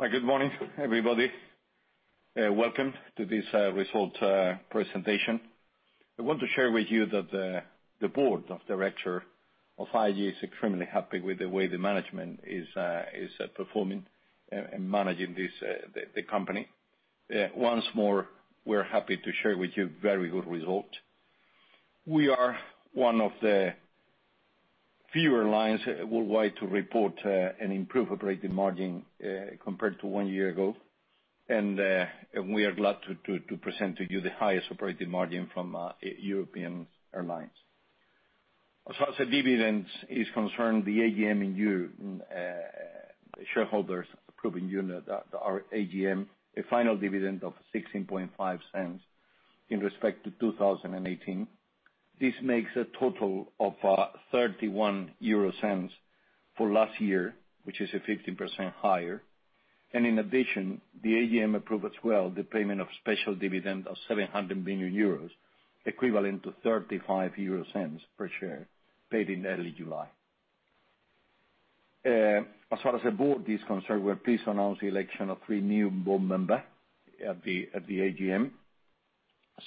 Hi. Good morning, everybody. Welcome to this result presentation. I want to share with you that the board of director of IAG is extremely happy with the way the management is performing and managing the company. Once more, we're happy to share with you very good result. We are one of the fewer airlines worldwide to report an improved operating margin compared to one year ago. We are glad to present to you the highest operating margin from European airlines. As far as the dividends is concerned, the AGM in shareholders approving unit, our AGM, a final dividend of 0.165 in respect to 2018. This makes a total of 0.31 for last year, which is a 15% higher. In addition, the AGM approved as well the payment of special dividend of 700 million euros, equivalent to 0.35 per share, paid in early July. As far as the board is concerned, we're pleased to announce the election of three new board member at the AGM.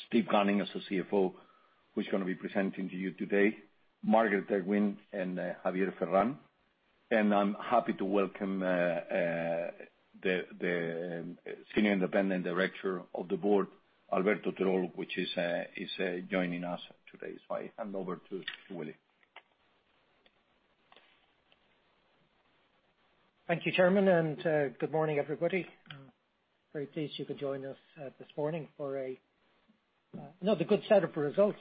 Steve Gunning as the CFO, who's going to be presenting to you today. Margaret Ewing, and Javier Ferrán. I'm happy to welcome the senior independent director of the board, Alberto Terol, which is joining us today. I hand over to Willie. Thank you, Chairman. Good morning, everybody. Very pleased you could join us this morning for another good set of results.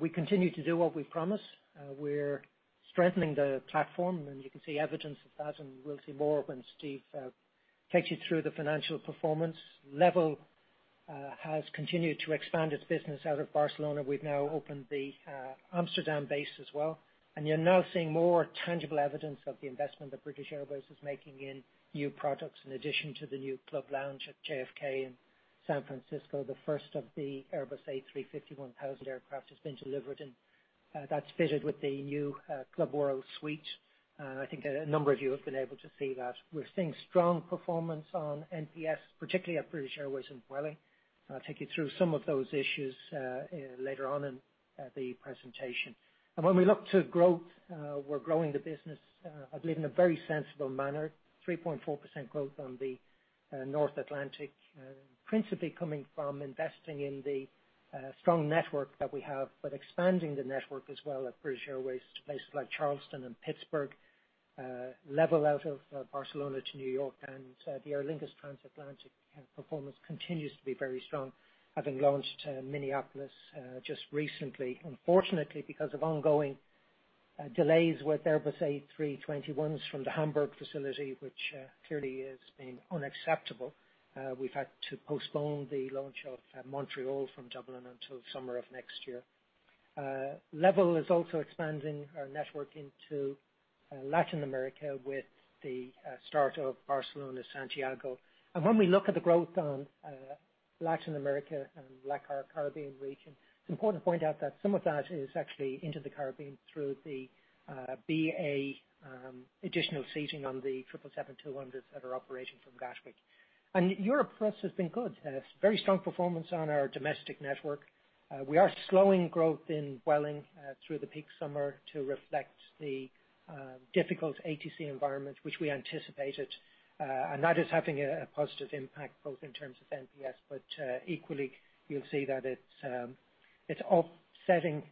We continue to do what we promise. We're strengthening the platform. You can see evidence of that, and we'll see more when Steve takes you through the financial performance. LEVEL has continued to expand its business out of Barcelona. We've now opened the Amsterdam base as well. You're now seeing more tangible evidence of the investment that British Airways is making in new products. In addition to the new Club lounge at JFK in San Francisco, the first of the Airbus A350-1000 aircraft has been delivered. That's fitted with the new Club World suite. I think a number of you have been able to see that. We're seeing strong performance on NPS, particularly at British Airways and Vueling. I'll take you through some of those issues later on in the presentation. When we look to growth, we're growing the business, I believe, in a very sensible manner. 3.4% growth on the North Atlantic, principally coming from investing in the strong network that we have, but expanding the network as well at British Airways to places like Charleston and Pittsburgh. LEVEL out of Barcelona to New York, the Aer Lingus transatlantic performance continues to be very strong, having launched Minneapolis just recently. Unfortunately, because of ongoing delays with Airbus A321s from the Hamburg facility, which clearly has been unacceptable, we've had to postpone the launch of Montreal from Dublin until summer of next year. LEVEL is also expanding our network into Latin America with the start of Barcelona-Santiago. When we look at the growth on Latin America and LACAR Caribbean region, it's important to point out that some of that is actually into the Caribbean through the BA additional seating on the 777-200s that are operating from Gatwick. Europe for us has been good. Very strong performance on our domestic network. We are slowing growth in Vueling through the peak summer to reflect the difficult ATC environment, which we anticipated. That is having a positive impact both in terms of NPS, but equally, you'll see that it's offsetting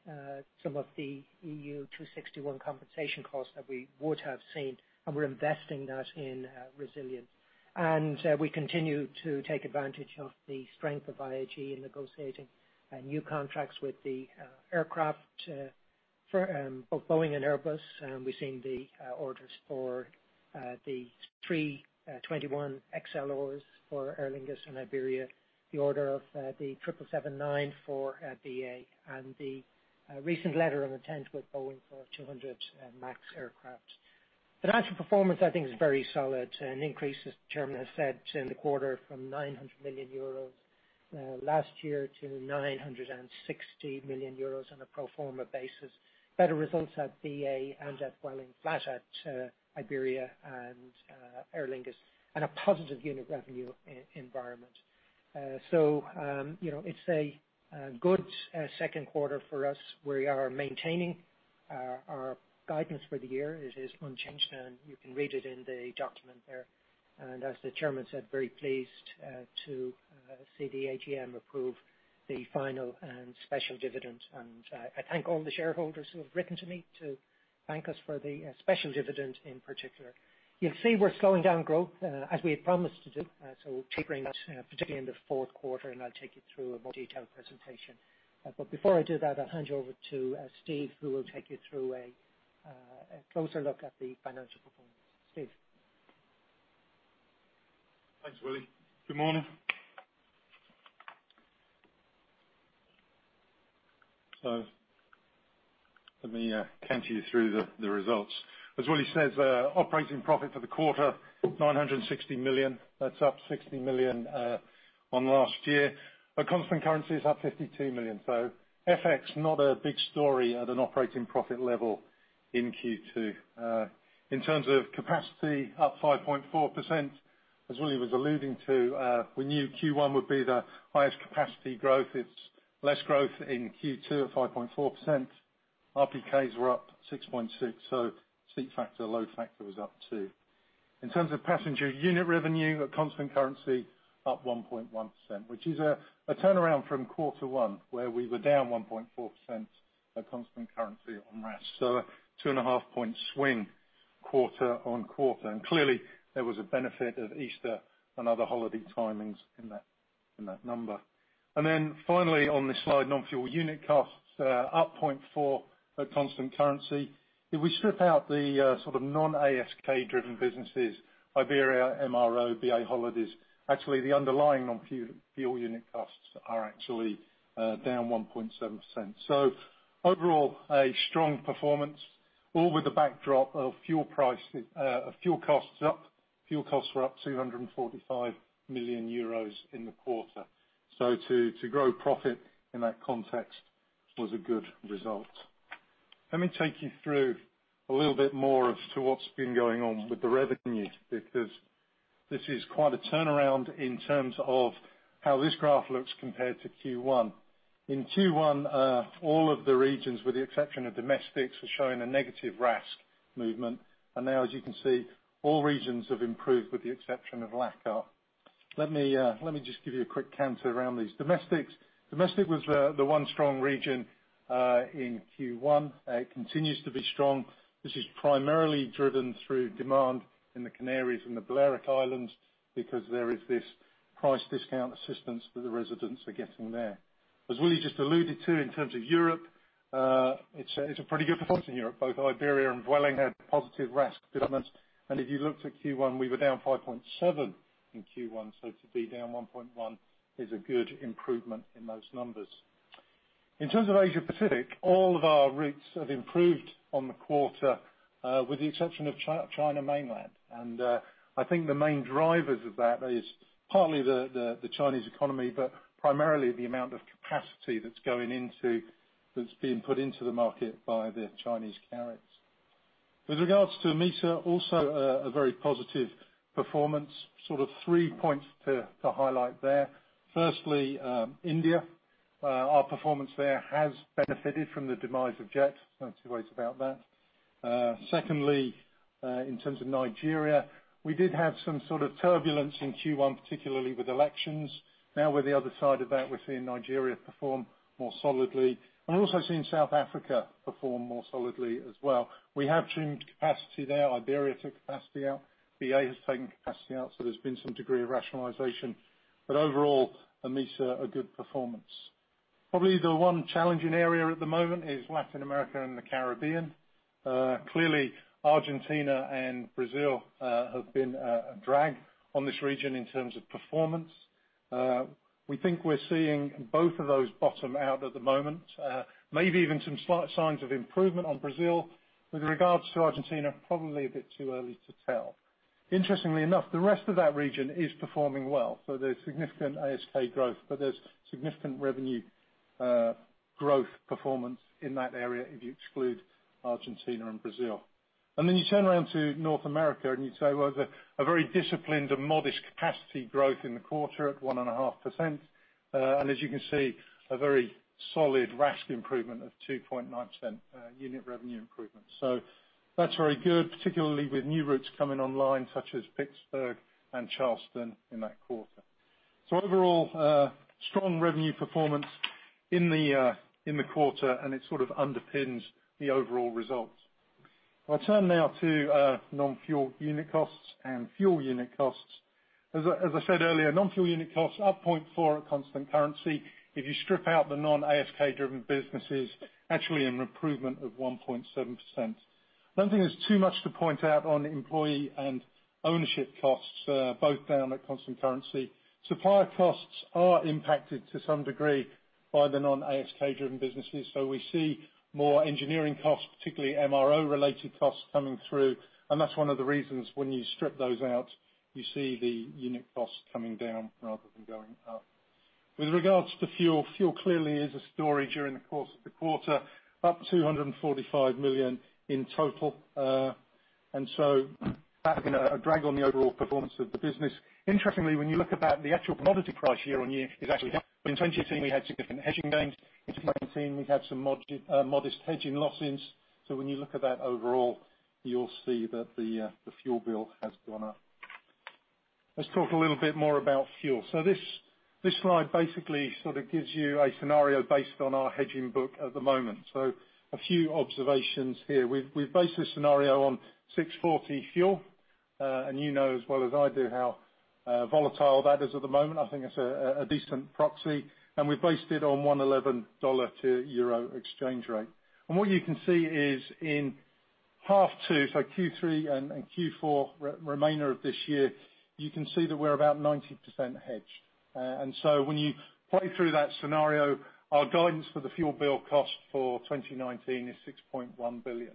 some of the EU261 compensation costs that we would have seen, and we're investing that in resilience. We continue to take advantage of the strength of IAG in negotiating new contracts with the aircraft for both Boeing and Airbus. We've seen the orders for the A321XLRs for Aer Lingus and Iberia, the order of the 777-9 for BA, and the recent letter of intent with Boeing for 200 MAX aircraft. Financial performance, I think, is very solid. An increase, as Chairman has said, in the quarter from 900 million euros last year to 960 million euros on a pro forma basis. Better results at BA and at Vueling. Flat at Iberia and Aer Lingus, a positive unit revenue environment. It's a good second quarter for us. We are maintaining our guidance for the year. It is unchanged, and you can read it in the document there. As the Chairman said, very pleased to see the AGM approve the final and special dividend. I thank all the shareholders who have written to me to thank us for the special dividend in particular. You'll see we're slowing down growth as we had promised to do, so tapering that, particularly in the fourth quarter, and I'll take you through a more detailed presentation. Before I do that, I'll hand you over to Steve, who will take you through a closer look at the financial performance. Steve. Thanks, Willie. Good morning. Let me count you through the results. As Willie says, operating profit for the quarter, 960 million. That's up 60 million on last year. At constant currency is up 52 million. FX, not a big story at an operating profit level in Q2. In terms of capacity, up 5.4%. As Willie was alluding to, we knew Q1 would be the highest capacity growth. It's less growth in Q2 at 5.4%. RPKs were up 6.6%, seat factor, load factor was up, too. In terms of passenger unit revenue, at constant currency up 1.1%, which is a turnaround from quarter one, where we were down 1.4% at constant currency on RASK. A two and a half point swing quarter on quarter. Clearly, there was a benefit of Easter and other holiday timings in that number. Finally on this slide, non-fuel unit costs are up 0.4% at constant currency. If we strip out the sort of non-ASK driven businesses, Iberia, MRO, BA Holidays, actually the underlying non-fuel unit costs are actually down 1.7%. Overall, a strong performance, all with the backdrop of fuel costs up. Fuel costs were up 245 million euros in the quarter. To grow profit in that context was a good result. Let me take you through a little bit more as to what's been going on with the revenue, because this is quite a turnaround in terms of how this graph looks compared to Q1. In Q1, all of the regions, with the exception of domestics, were showing a negative RASK movement. Now as you can see, all regions have improved with the exception of LACAR. Let me just give you a quick canter around these. Domestics. Domestic was the one strong region in Q1. It continues to be strong. This is primarily driven through demand in the Canaries and the Balearic Islands, because there is this price discount assistance that the residents are getting there. As Willie just alluded to, in terms of Europe, it's a pretty good performance in Europe. Both Iberia and Vueling had positive RASK developments. If you looked at Q1, we were down 5.7% in Q1, so to be down 1.1% is a good improvement in those numbers. In terms of Asia Pacific, all of our routes have improved on the quarter, with the exception of China Mainland. I think the main drivers of that is partly the Chinese economy, but primarily the amount of capacity that's being put into the market by the Chinese carriers. With regards to MEASA, also a very positive performance. Sort of three points to highlight there. Firstly, India. Our performance there has benefited from the demise of Jet, no two ways about that. Secondly, in terms of Nigeria, we did have some sort of turbulence in Q1, particularly with elections. Now we're the other side of that. We're seeing Nigeria perform more solidly, and also seeing South Africa perform more solidly as well. We have trimmed capacity there. Iberia took capacity out. BA has taken capacity out, so there's been some degree of rationalization. Overall, MEESA, a good performance. Probably the one challenging area at the moment is Latin America and the Caribbean. Clearly Argentina and Brazil have been a drag on this region in terms of performance. We think we're seeing both of those bottom out at the moment. Maybe even some slight signs of improvement on Brazil. With regards to Argentina, probably a bit too early to tell. Interestingly enough, the rest of that region is performing well, so there is significant ASK growth, but there is significant revenue growth performance in that area if you exclude Argentina and Brazil. You turn around to North America and you would say, well, there is a very disciplined and modest capacity growth in the quarter at 1.5%. As you can see, a very solid RASK improvement of 2.9% unit revenue improvement. That is very good, particularly with new routes coming online such as Pittsburgh and Charleston in that quarter. Overall, strong revenue performance in the quarter, and it sort of underpins the overall results. I will turn now to non-fuel unit costs and fuel unit costs. As I said earlier, non-fuel unit costs up 0.4% at constant currency. If you strip out the non-ASK driven businesses, actually an improvement of 1.7%. I don't think there's too much to point out on employee and ownership costs, both down at constant currency. Supplier costs are impacted to some degree by the non-ASK driven businesses. We see more engineering costs, particularly MRO-related costs coming through, and that's one of the reasons when you strip those out, you see the unit cost coming down rather than going up. With regards to fuel clearly is a story during the course of the quarter, up 245 million in total. That's been a drag on the overall performance of the business. Interestingly, when you look at that, the actual commodity price year-on-year is actually up. In 2018, we had significant hedging gains. In 2019, we've had some modest hedging losses. When you look at that overall, you'll see that the fuel bill has gone up. Let's talk a little bit more about fuel. This slide basically sort of gives you a scenario based on our hedging book at the moment. A few observations here. We've based this scenario on 6.40 fuel, and you know as well as I do how volatile that is at the moment. I think it's a decent proxy. We've based it on $111 to EUR exchange rate. What you can see is in H2, so Q3 and Q4, remainder of this year, you can see that we're about 90% hedged. When you play through that scenario, our guidance for the fuel bill cost for 2019 is 6.1 billion.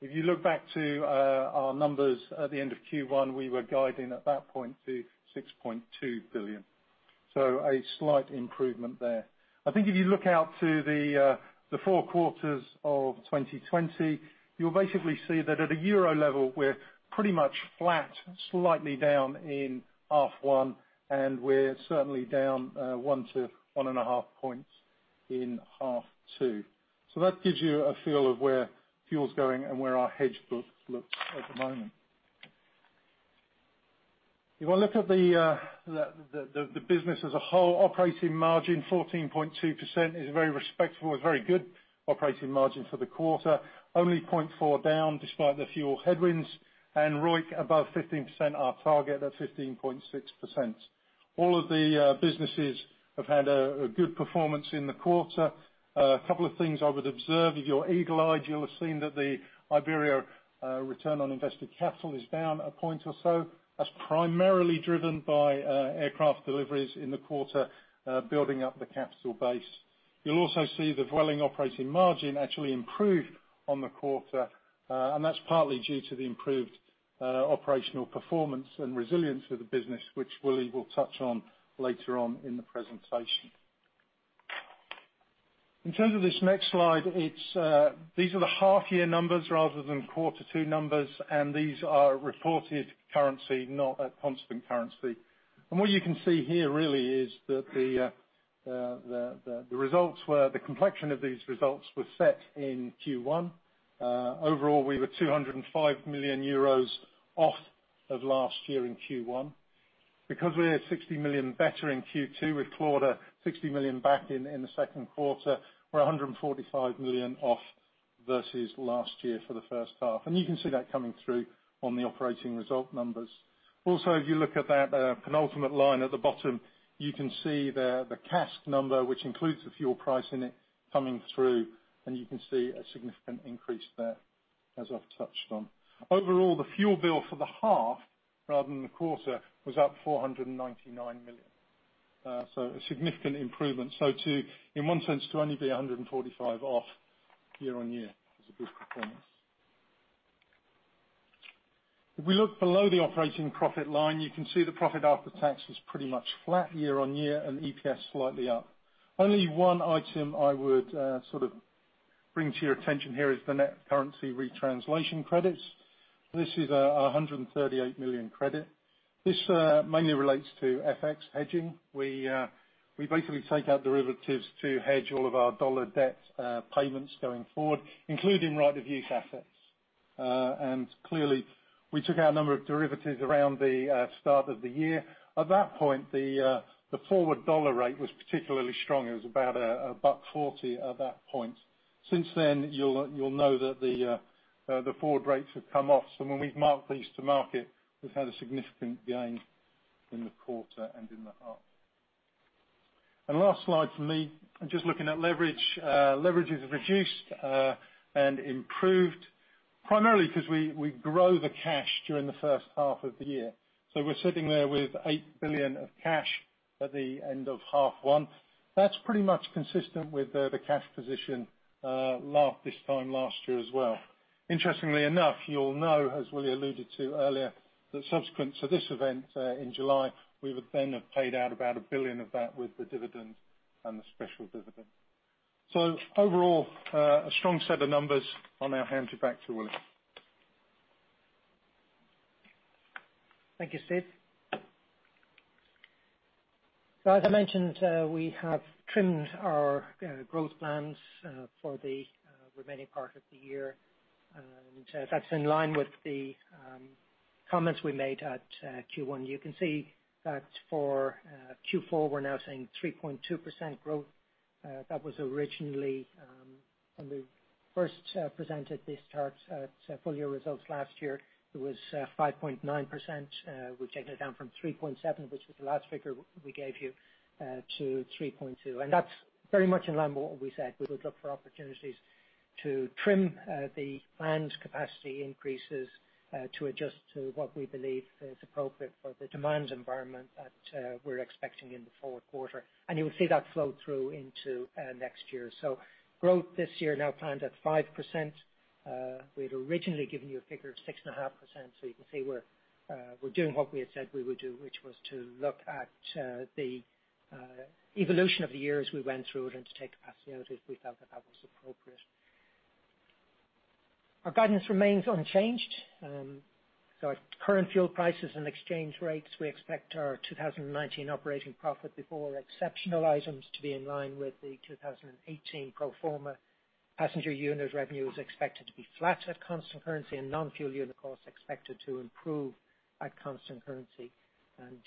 If you look back to our numbers at the end of Q1, we were guiding at that point to 6.2 billion. A slight improvement there. I think if you look out to the four quarters of 2020, you'll basically see that at a EUR level, we're pretty much flat, slightly down in half one, and we're certainly down one to one and a half points in half two. That gives you a feel of where fuel's going and where our hedge book looks at the moment. If I look at the business as a whole, operating margin, 14.2% is very respectful. It's very good operating margin for the quarter. Only 0.4 down, despite the fuel headwinds, and ROIC above 15%, our target at 15.6%. All of the businesses have had a good performance in the quarter. A couple of things I would observe. If you're eagle-eyed, you'll have seen that the Iberia return on invested capital is down a point or so. That's primarily driven by aircraft deliveries in the quarter, building up the capital base. You'll also see the Vueling operating margin actually improved on the quarter. That's partly due to the improved operational performance and resilience of the business, which Willie will touch on later on in the presentation. In terms of this next slide, these are the half year numbers rather than quarter 2 numbers, and these are reported currency, not at constant currency. What you can see here really is that the complexion of these results were set in Q1. Overall, we were 205 million euros off of last year in Q1. Because we are 60 million better in Q2, we clawed a 60 million back in the second quarter. We're 145 million off versus last year for the first half. You can see that coming through on the operating result numbers. If you look at that penultimate line at the bottom, you can see the CASK number, which includes the fuel price in it coming through, and you can see a significant increase there as I've touched on. Overall, the fuel bill for the half rather than the quarter was up 499 million. A significant improvement. In one sense, to only be 145 off year-on-year is a good performance. If we look below the operating profit line, you can see the profit after tax was pretty much flat year-on-year and EPS slightly up. Only one item I would sort of bring to your attention here is the net currency retranslation credits. This is 138 million credit. This mainly relates to FX hedging. We basically take out derivatives to hedge all of our USD debt payments going forward, including right of use assets. Clearly, we took out a number of derivatives around the start of the year. At that point, the forward dollar rate was particularly strong. It was about $1.40 at that point. Since then, you'll know that the forward rates have come off. When we've marked these to market, we've had a significant gain in the quarter and in the half. Last slide from me, just looking at leverage. Leverage is reduced and improved primarily because we grow the cash during the first half of the year. We're sitting there with 8 billion of cash at the end of half one. That's pretty much consistent with the cash position this time last year as well. Interestingly enough, you'll know, as Willie alluded to earlier, that subsequent to this event in July, we would then have paid out about 1 billion of that with the dividend and the special dividend. Overall, a strong set of numbers. I'll now hand you back to Willie. Thank you, Steve. As I mentioned, we have trimmed our growth plans for the remaining part of the year. That's in line with the comments we made at Q1. You can see that for Q4, we're now saying 3.2% growth. That was originally when we first presented this chart at full year results last year, it was 5.9%. We've taken it down from 3.7, which was the last figure we gave you, to 3.2. That's very much in line with what we said. We would look for opportunities to trim the planned capacity increases, to adjust to what we believe is appropriate for the demand environment that we're expecting in the fourth quarter. You will see that flow through into next year. Growth this year now planned at 5%. We had originally given you a figure of 6.5%, so you can see we're doing what we had said we would do, which was to look at the evolution of the year as we went through it and to take capacity out if we felt that that was appropriate. Our guidance remains unchanged. At current fuel prices and exchange rates, we expect our 2019 operating profit before exceptional items to be in line with the 2018 pro forma. Passenger unit revenue is expected to be flat at constant currency, and non-fuel unit costs are expected to improve at constant currency.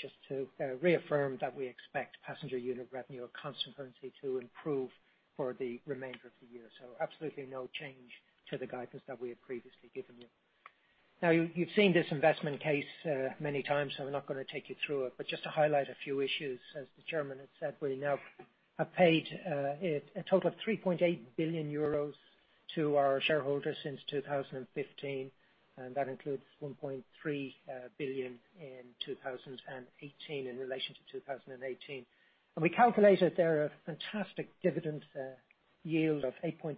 Just to reaffirm that we expect passenger unit revenue at constant currency to improve for the remainder of the year. Absolutely no change to the guidance that we had previously given you. You've seen this investment case many times, so we're not going to take you through it. Just to highlight a few issues, as the chairman has said, we now have paid a total of 3.8 billion euros to our shareholders since 2015, and that includes 1.3 billion in 2018 in relation to 2018. We calculated there a fantastic dividend yield of 8.2%.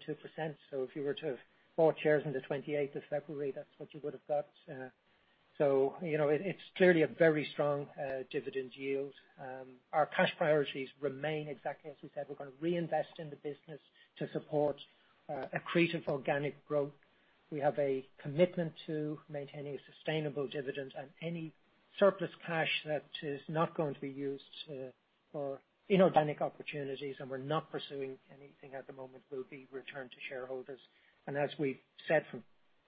If you were to have bought shares on the 28th of February, that's what you would have got. It's clearly a very strong dividend yield. Our cash priorities remain exactly as we said. We're going to reinvest in the business to support accretive organic growth. We have a commitment to maintaining a sustainable dividend and any surplus cash that is not going to be used for inorganic opportunities, and we're not pursuing anything at the moment, will be returned to shareholders. As we've said for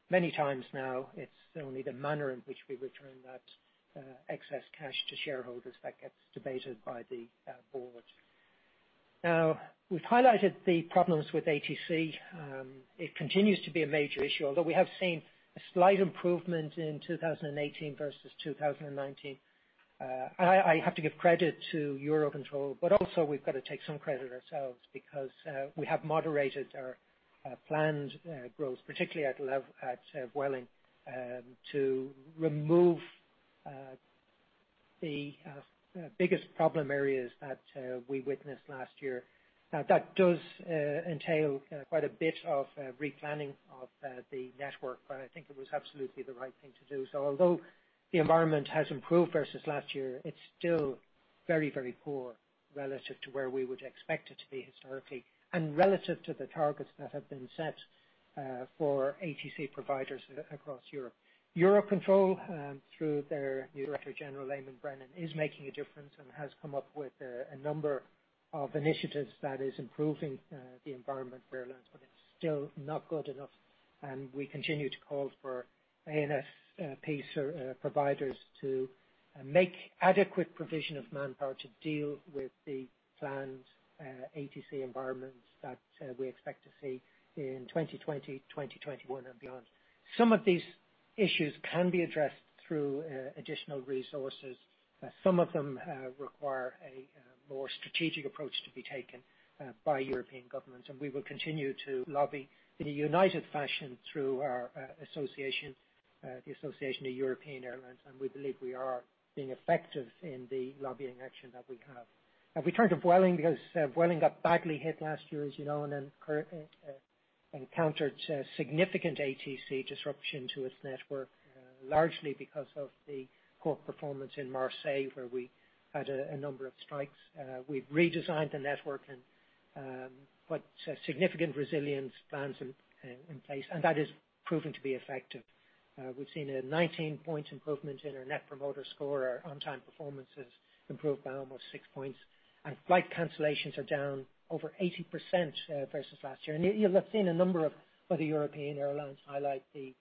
many times now, it's only the manner in which we return that excess cash to shareholders that gets debated by the board. We've highlighted the problems with ATC. It continues to be a major issue, although we have seen a slight improvement in 2018 versus 2019. I have to give credit to Eurocontrol, but also we've got to take some credit ourselves because we have moderated our planned growth, particularly at Vueling, to remove the biggest problem areas that we witnessed last year. That does entail quite a bit of replanning of the network, but I think it was absolutely the right thing to do. Although the environment has improved versus last year, it's still very poor relative to where we would expect it to be historically and relative to the targets that have been set for ATC providers across Europe. Eurocontrol, through their new Director General, Eamonn Brennan, is making a difference and has come up with a number of initiatives that is improving the environment for airlines, but it's still not good enough, and we continue to call for ANSP providers to make adequate provision of manpower to deal with the planned ATC environments that we expect to see in 2020, 2021, and beyond. Some of these issues can be addressed through additional resources. Some of them require a more strategic approach to be taken by European governments. We will continue to lobby in a united fashion through our association, the Association of European Airlines, and we believe we are being effective in the lobbying action that we have. Now we turn to Vueling, because Vueling got badly hit last year, as you know, and encountered significant ATC disruption to its network, largely because of the poor performance in Marseille, where we had a number of strikes. We've redesigned the network and put significant resilience plans in place. That is proving to be effective. We've seen a 19-point improvement in our net promoter score. Our on-time performance has improved by almost six points. Flight cancellations are down over 80% versus last year. You'll have seen a number of other European airlines highlight the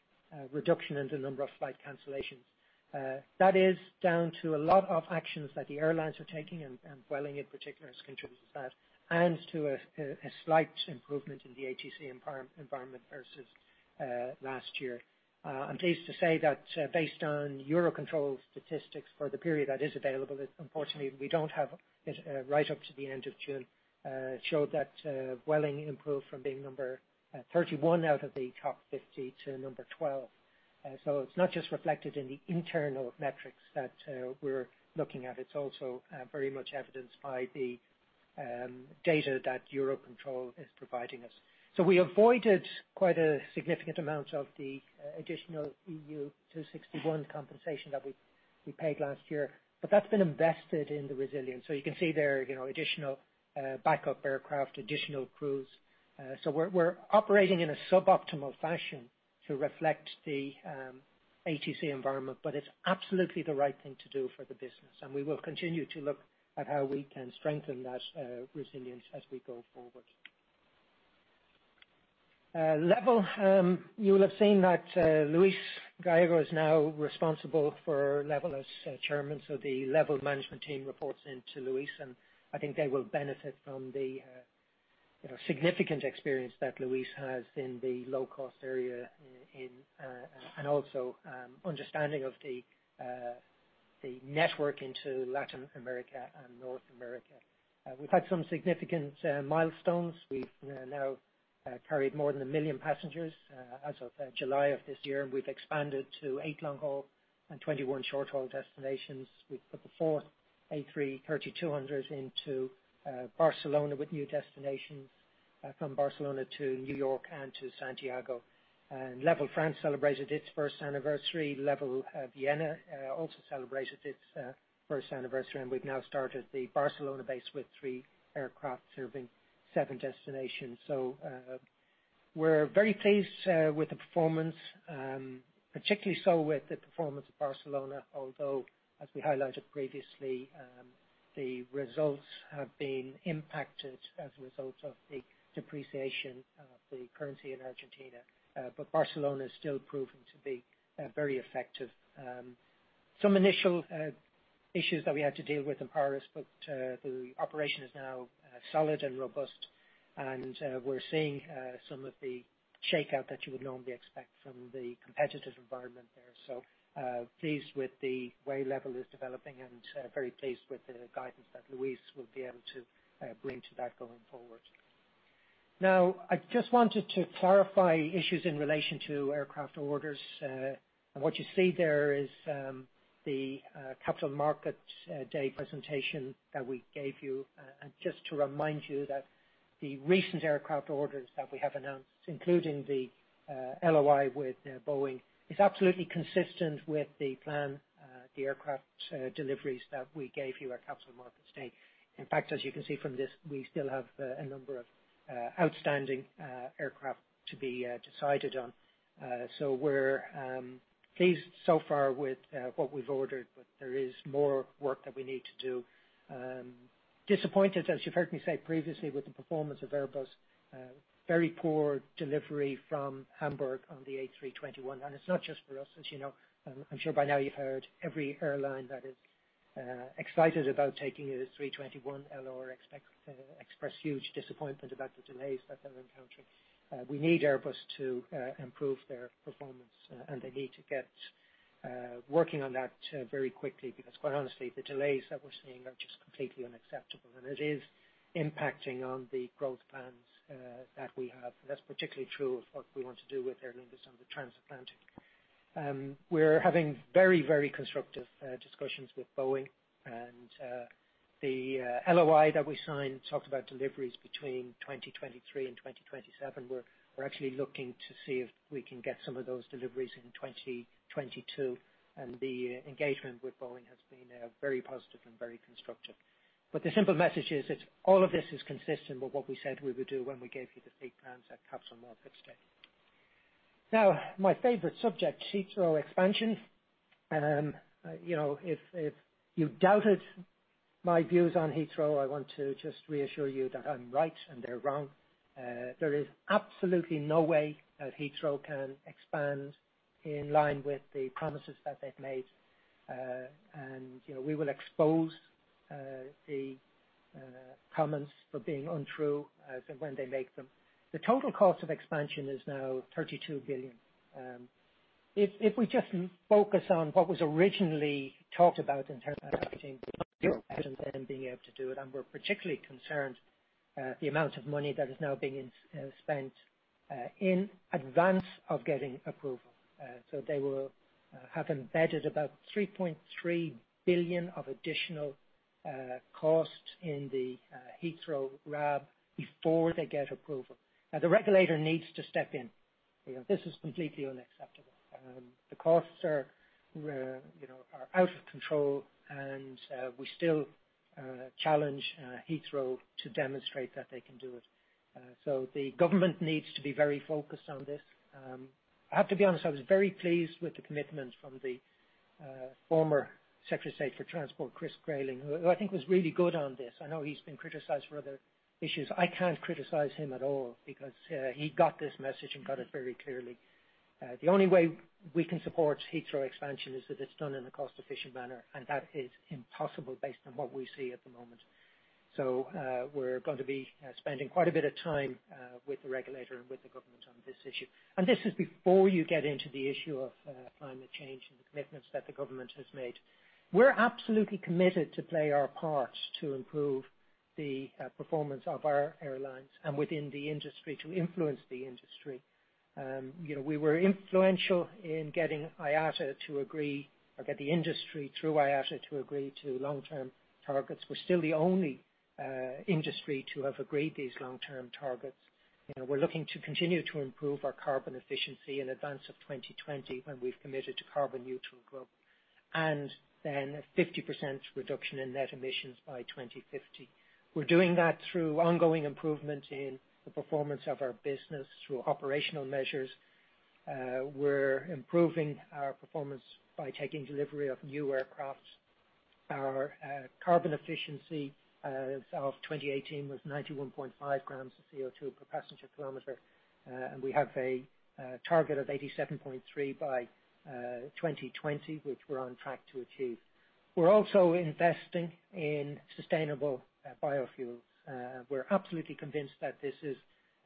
reduction in the number of flight cancellations. That is down to a lot of actions that the airlines are taking, and Vueling, in particular, has contributed to that, and to a slight improvement in the ATC environment versus last year. I'm pleased to say that based on Eurocontrol statistics for the period that is available, unfortunately, we don't have it right up to the end of June, showed that Vueling improved from being number 31 out of the top 50 to number 12. It's not just reflected in the internal metrics that we're looking at. It's also very much evidenced by the data that Eurocontrol is providing us. We avoided quite a significant amount of the additional EU261 compensation that we paid last year, but that's been invested in the resilience. You can see there additional backup aircraft, additional crews. We're operating in a suboptimal fashion to reflect the ATC environment, but it's absolutely the right thing to do for the business. We will continue to look at how we can strengthen that resilience as we go forward. LEVEL, you will have seen that Luis Gallego is now responsible for LEVEL as Chairman. The LEVEL management team reports in to Luis, and I think they will benefit from the significant experience that Luis has in the low-cost area and also understanding of the network into Latin America and North America. We've had some significant milestones. We've now carried more than a million passengers as of July of this year, and we've expanded to eight long-haul and 21 short-haul destinations. We put the fourth A330-200 into Barcelona with new destinations from Barcelona to New York and to Santiago. LEVEL France celebrated its first anniversary. LEVEL Vienna also celebrated its first anniversary. We've now started the Barcelona base with three aircraft serving seven destinations. We're very pleased with the performance, particularly so with the performance of Barcelona, although, as we highlighted previously, the results have been impacted as a result of the depreciation of the currency in Argentina. Barcelona is still proving to be very effective. Some initial issues that we had to deal with in Paris, the operation is now solid and robust. We're seeing some of the shakeout that you would normally expect from the competitive environment there. Pleased with the way LEVEL is developing and very pleased with the guidance that Luis will be able to bring to that going forward. Now, I just wanted to clarify issues in relation to aircraft orders. What you see there is the Capital Markets Day presentation that we gave you. Just to remind you that the recent aircraft orders that we have announced, including the LOI with Boeing, is absolutely consistent with the plan, the aircraft deliveries that we gave you at Capital Markets Day. In fact, as you can see from this, we still have a number of outstanding aircraft to be decided on. We're pleased so far with what we've ordered, but there is more work that we need to do. Disappointed, as you've heard me say previously, with the performance of Airbus. Very poor delivery from Hamburg on the A321. It's not just for us, as you know. I'm sure by now you've heard every airline that is excited about taking the A321LR express huge disappointment about the delays that they're encountering. We need Airbus to improve their performance, and they need to get working on that very quickly, because quite honestly, the delays that we're seeing are just completely unacceptable, and it is impacting on the growth plans that we have. That's particularly true of what we want to do with Aer Lingus on the transatlantic. We're having very constructive discussions with Boeing. The LOI that we signed talked about deliveries between 2023 and 2027. We're actually looking to see if we can get some of those deliveries in 2022. The engagement with Boeing has been very positive and very constructive. The simple message is that all of this is consistent with what we said we would do when we gave you the fleet plans at Capital Markets Day. Now, my favorite subject, Heathrow expansion. If you doubted my views on Heathrow, I want to just reassure you that I'm right and they're wrong. There is absolutely no way that Heathrow can expand in line with the promises that they've made. We will expose the comments for being untrue when they make them. The total cost of expansion is now 32 billion. If we just focus on what was originally talked about in terms of being able to do it, and we're particularly concerned the amount of money that is now being spent in advance of getting approval. They will have embedded about 3.3 billion of additional cost in the Heathrow RAB before they get approval. The regulator needs to step in. This is completely unacceptable. The costs are out of control, and we still challenge Heathrow to demonstrate that they can do it. The government needs to be very focused on this. I have to be honest, I was very pleased with the commitment from the former Secretary of State for Transport, Chris Grayling, who I think was really good on this. I know he's been criticized for other issues. I can't criticize him at all because he got this message and got it very clearly. The only way we can support Heathrow expansion is if it's done in a cost-efficient manner, and that is impossible based on what we see at the moment. We're going to be spending quite a bit of time with the regulator and with the government on this issue. This is before you get into the issue of climate change and the commitments that the government has made. We're absolutely committed to play our part to improve the performance of our airlines and within the industry to influence the industry. We were influential in getting IATA to agree, or get the industry through IATA to agree to long-term targets. We're still the only industry to have agreed these long-term targets. We're looking to continue to improve our carbon efficiency in advance of 2020, when we've committed to carbon-neutral growth, and then 50% reduction in net emissions by 2050. We're doing that through ongoing improvement in the performance of our business through operational measures. We're improving our performance by taking delivery of new aircrafts. Our carbon efficiency as of 2018 was 91.5 grams of CO2 per passenger kilometer. We have a target of 87.3 by 2020, which we're on track to achieve. We're also investing in sustainable biofuels. We're absolutely convinced that this is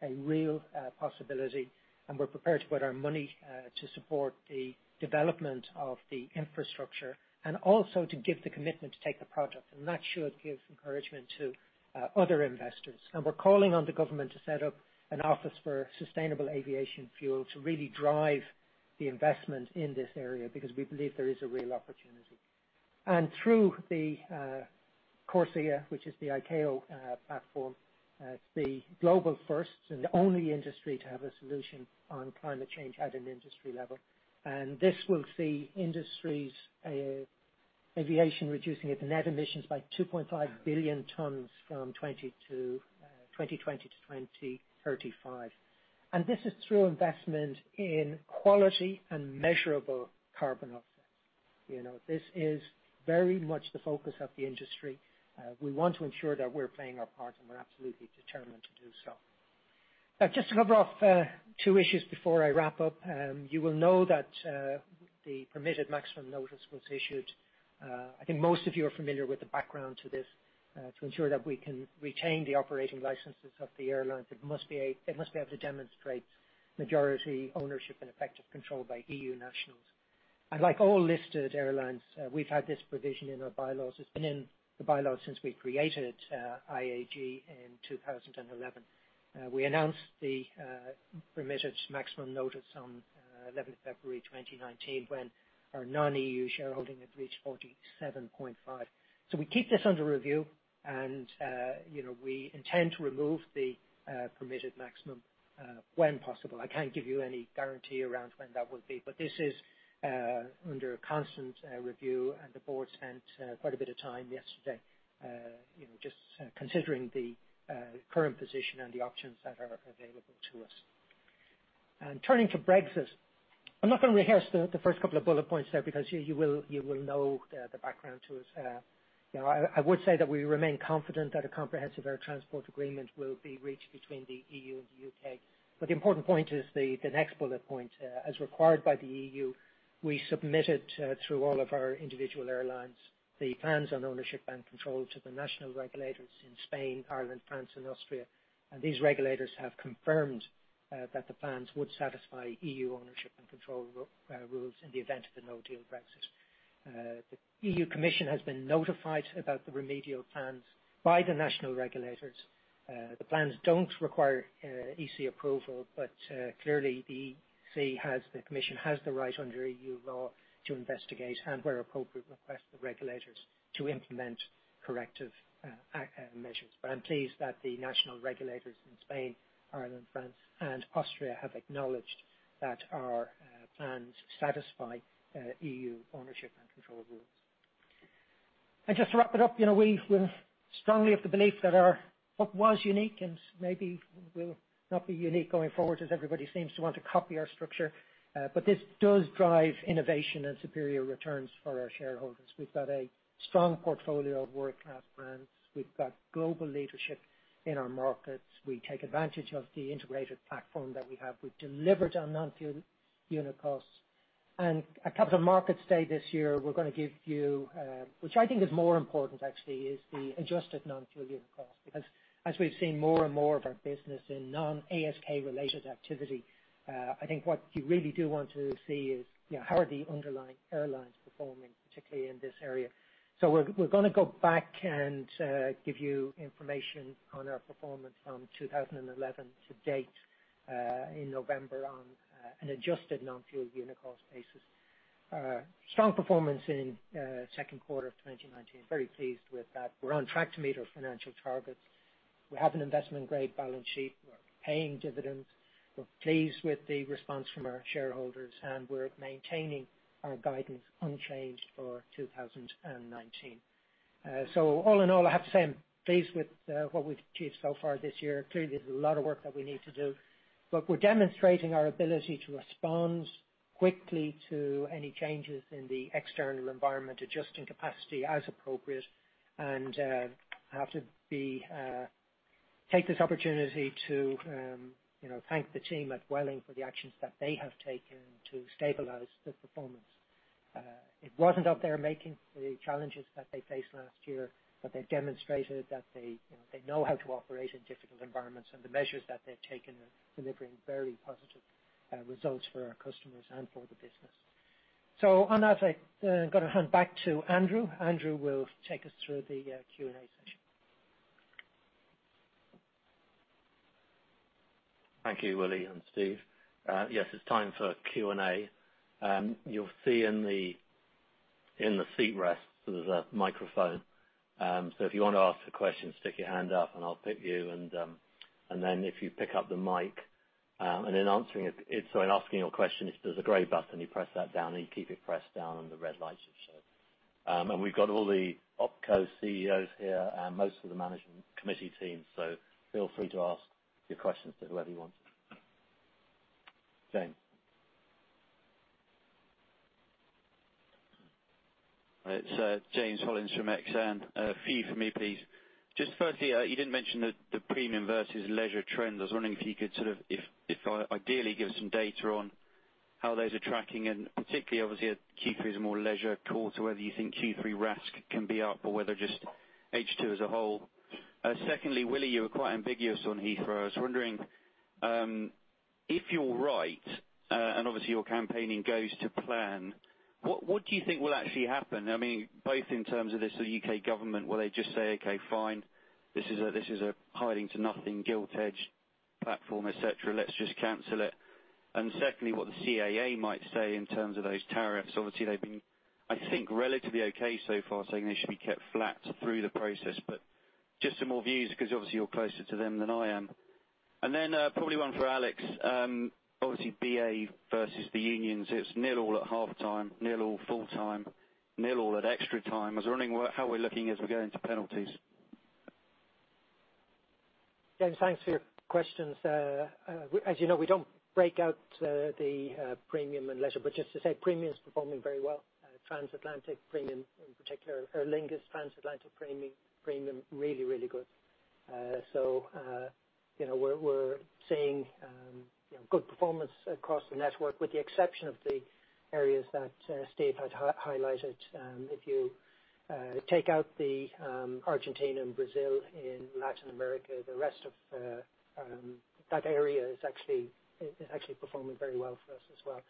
a real possibility, we're prepared to put our money to support the development of the infrastructure and also to give the commitment to take the product. That should give encouragement to other investors. We're calling on the government to set up an office for sustainable aviation fuel to really drive the investment in this area because we believe there is a real opportunity. Through the CORSIA, which is the ICAO platform, the global first and the only industry to have a solution on climate change at an industry level. This will see industries aviation reducing its net emissions by 2.5 billion tons from 2020 to 2035. This is through investment in quality and measurable carbon offsets. This is very much the focus of the industry. We want to ensure that we're playing our part, and we're absolutely determined to do so. Just to cover off two issues before I wrap up. You will know that the permitted maximum notice was issued. I think most of you are familiar with the background to this, to ensure that we can retain the operating licenses of the airlines. They must be able to demonstrate majority ownership and effective control by EU nationals. Like all listed airlines, we've had this provision in our bylaws. It's been in the bylaws since we created IAG in 2011. We announced the permitted maximum notice on 11th February 2019, when our non-EU shareholding had reached 47.5. We keep this under review and we intend to remove the permitted maximum when possible. I can't give you any guarantee around when that will be, but this is under constant review and the board spent quite a bit of time yesterday just considering the current position and the options that are available to us. Turning to Brexit, I'm not going to rehearse the first couple of bullet points there because you will know the background to it. I would say that we remain confident that a comprehensive air transport agreement will be reached between the EU and the U.K. The important point is the next bullet point. As required by the EU, we submitted through all of our individual airlines, the plans on ownership and control to the national regulators in Spain, Ireland, France and Austria. These regulators have confirmed that the plans would satisfy EU ownership and control rules in the event of a no-deal Brexit. The EU Commission has been notified about the remedial plans by the national regulators. Clearly the Commission has the right under EU law to investigate, and where appropriate, request the regulators to implement corrective measures. I'm pleased that the national regulators in Spain, Ireland, France and Austria have acknowledged that our plans satisfy EU ownership and control rules. Just to wrap it up, we're strongly of the belief that our, what was unique and maybe will not be unique going forward, as everybody seems to want to copy our structure. This does drive innovation and superior returns for our shareholders. We've got a strong portfolio of world-class brands. We've got global leadership in our markets. We take advantage of the integrated platform that we have. We've delivered on non-fuel unit costs. At Capital Markets Day this year, we're going to give you, which I think is more important actually, is the adjusted non-fuel unit cost. Because as we've seen more and more of our business in non-ASK related activity, I think what you really do want to see is how are the underlying airlines performing, particularly in this area. We're going to go back and give you information on our performance from 2011 to date, in November on an adjusted non-fuel unit cost basis. Strong performance in second quarter of 2019. Very pleased with that. We're on track to meet our financial targets. We have an investment-grade balance sheet. We're paying dividends. We're pleased with the response from our shareholders, and we're maintaining our guidance unchanged for 2019. All in all, I have to say I'm pleased with what we've achieved so far this year. Clearly, there's a lot of work that we need to do, but we're demonstrating our ability to respond quickly to any changes in the external environment, adjusting capacity as appropriate, and I have to take this opportunity to thank the team at Vueling for the actions that they have taken to stabilize the performance. It wasn't of their making, the challenges that they faced last year, but they've demonstrated that they know how to operate in difficult environments, and the measures that they've taken are delivering very positive results for our customers and for the business. On that, I'm going to hand back to Andrew. Andrew will take us through the Q&A session. Thank you, Willie and Steve. It's time for Q&A. You'll see in the seat rest, there's a microphone. If you want to ask a question, stick your hand up and I'll pick you. If you pick up the mic. Asking your question, there's a gray button, you press that down. You keep it pressed down. The red light should show. We've got all the OpCo CEOs here and most of the management committee team. Feel free to ask your questions to whoever you want. James. It's James Hollins from Exane. A few from me, please. Firstly, you didn't mention the premium versus leisure trend. I was wondering if you could sort of, ideally give some data on how those are tracking and particularly obviously Q3 is a more leisure quarter, whether you think Q3 RASK can be up or whether just H2 as a whole. Secondly, Willie, you were quite ambiguous on Heathrow. I was wondering, if you're right, and obviously your campaigning goes to plan, what do you think will actually happen? Both in terms of the U.K. government, will they just say, "Okay, fine. This is a hiding to nothing, gilt-edged platform, et cetera. Let's just cancel it." Secondly, what the CAA might say in terms of those tariffs. Obviously, they've been, I think, relatively okay so far, saying they should be kept flat through the process, but just some more views because obviously you're closer to them than I am. Probably one for Alex. Obviously BA versus the unions, it's nil all at half-time, nil all full-time, nil all at extra time. I was wondering how we're looking as we go into penalties. James, thanks for your questions. As you know, we don't break out the premium and leisure, but just to say premium is performing very well. Transatlantic premium in particular. Aer Lingus Transatlantic premium, really, really good. We're seeing good performance across the network, with the exception of the areas that Steve had highlighted. If you take out the Argentina and Brazil in Latin America, the rest of that area is actually performing very well for us as well.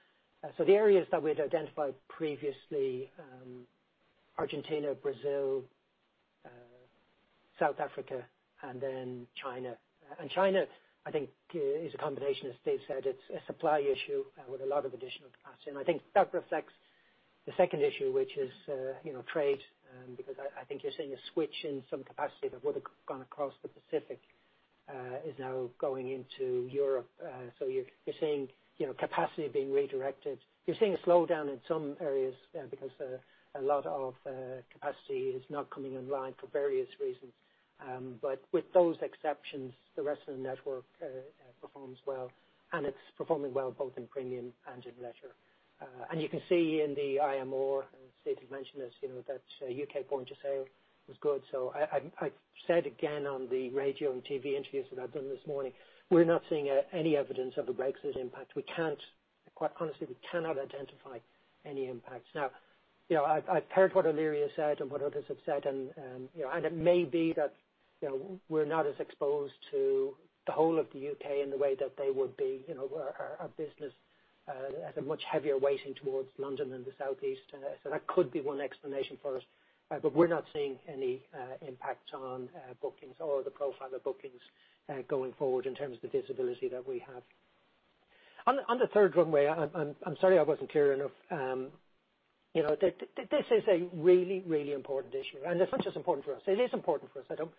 The areas that we'd identified previously, Argentina, Brazil, South Africa, and then China. China, I think is a combination, as Steve said, it's a supply issue with a lot of additional capacity. I think that reflects the second issue, which is trade, because I think you're seeing a switch in some capacity that would've gone across the Pacific, is now going into Europe. You're seeing capacity being redirected. You're seeing a slowdown in some areas because a lot of capacity is not coming online for various reasons. With those exceptions, the rest of the network performs well, and it's performing well both in premium and in leisure. You can see in the IMR or Steve had mentioned this, that U.K. point of sale was good. I said again on the radio and TV interviews that I've done this morning, we're not seeing any evidence of a Brexit impact. Quite honestly, we cannot identify any impacts. I've heard what O'Leary has said and what others have said, and it may be that we're not as exposed to the whole of the U.K. in the way that they would be. Our business has a much heavier weighting towards London and the Southeast. That could be one explanation for us. We're not seeing any impact on bookings or the profile of bookings going forward in terms of the visibility that we have. On the third runway, I'm sorry I wasn't clear enough. This is a really, really important issue, and it's not just important for us. It is important for us. I don't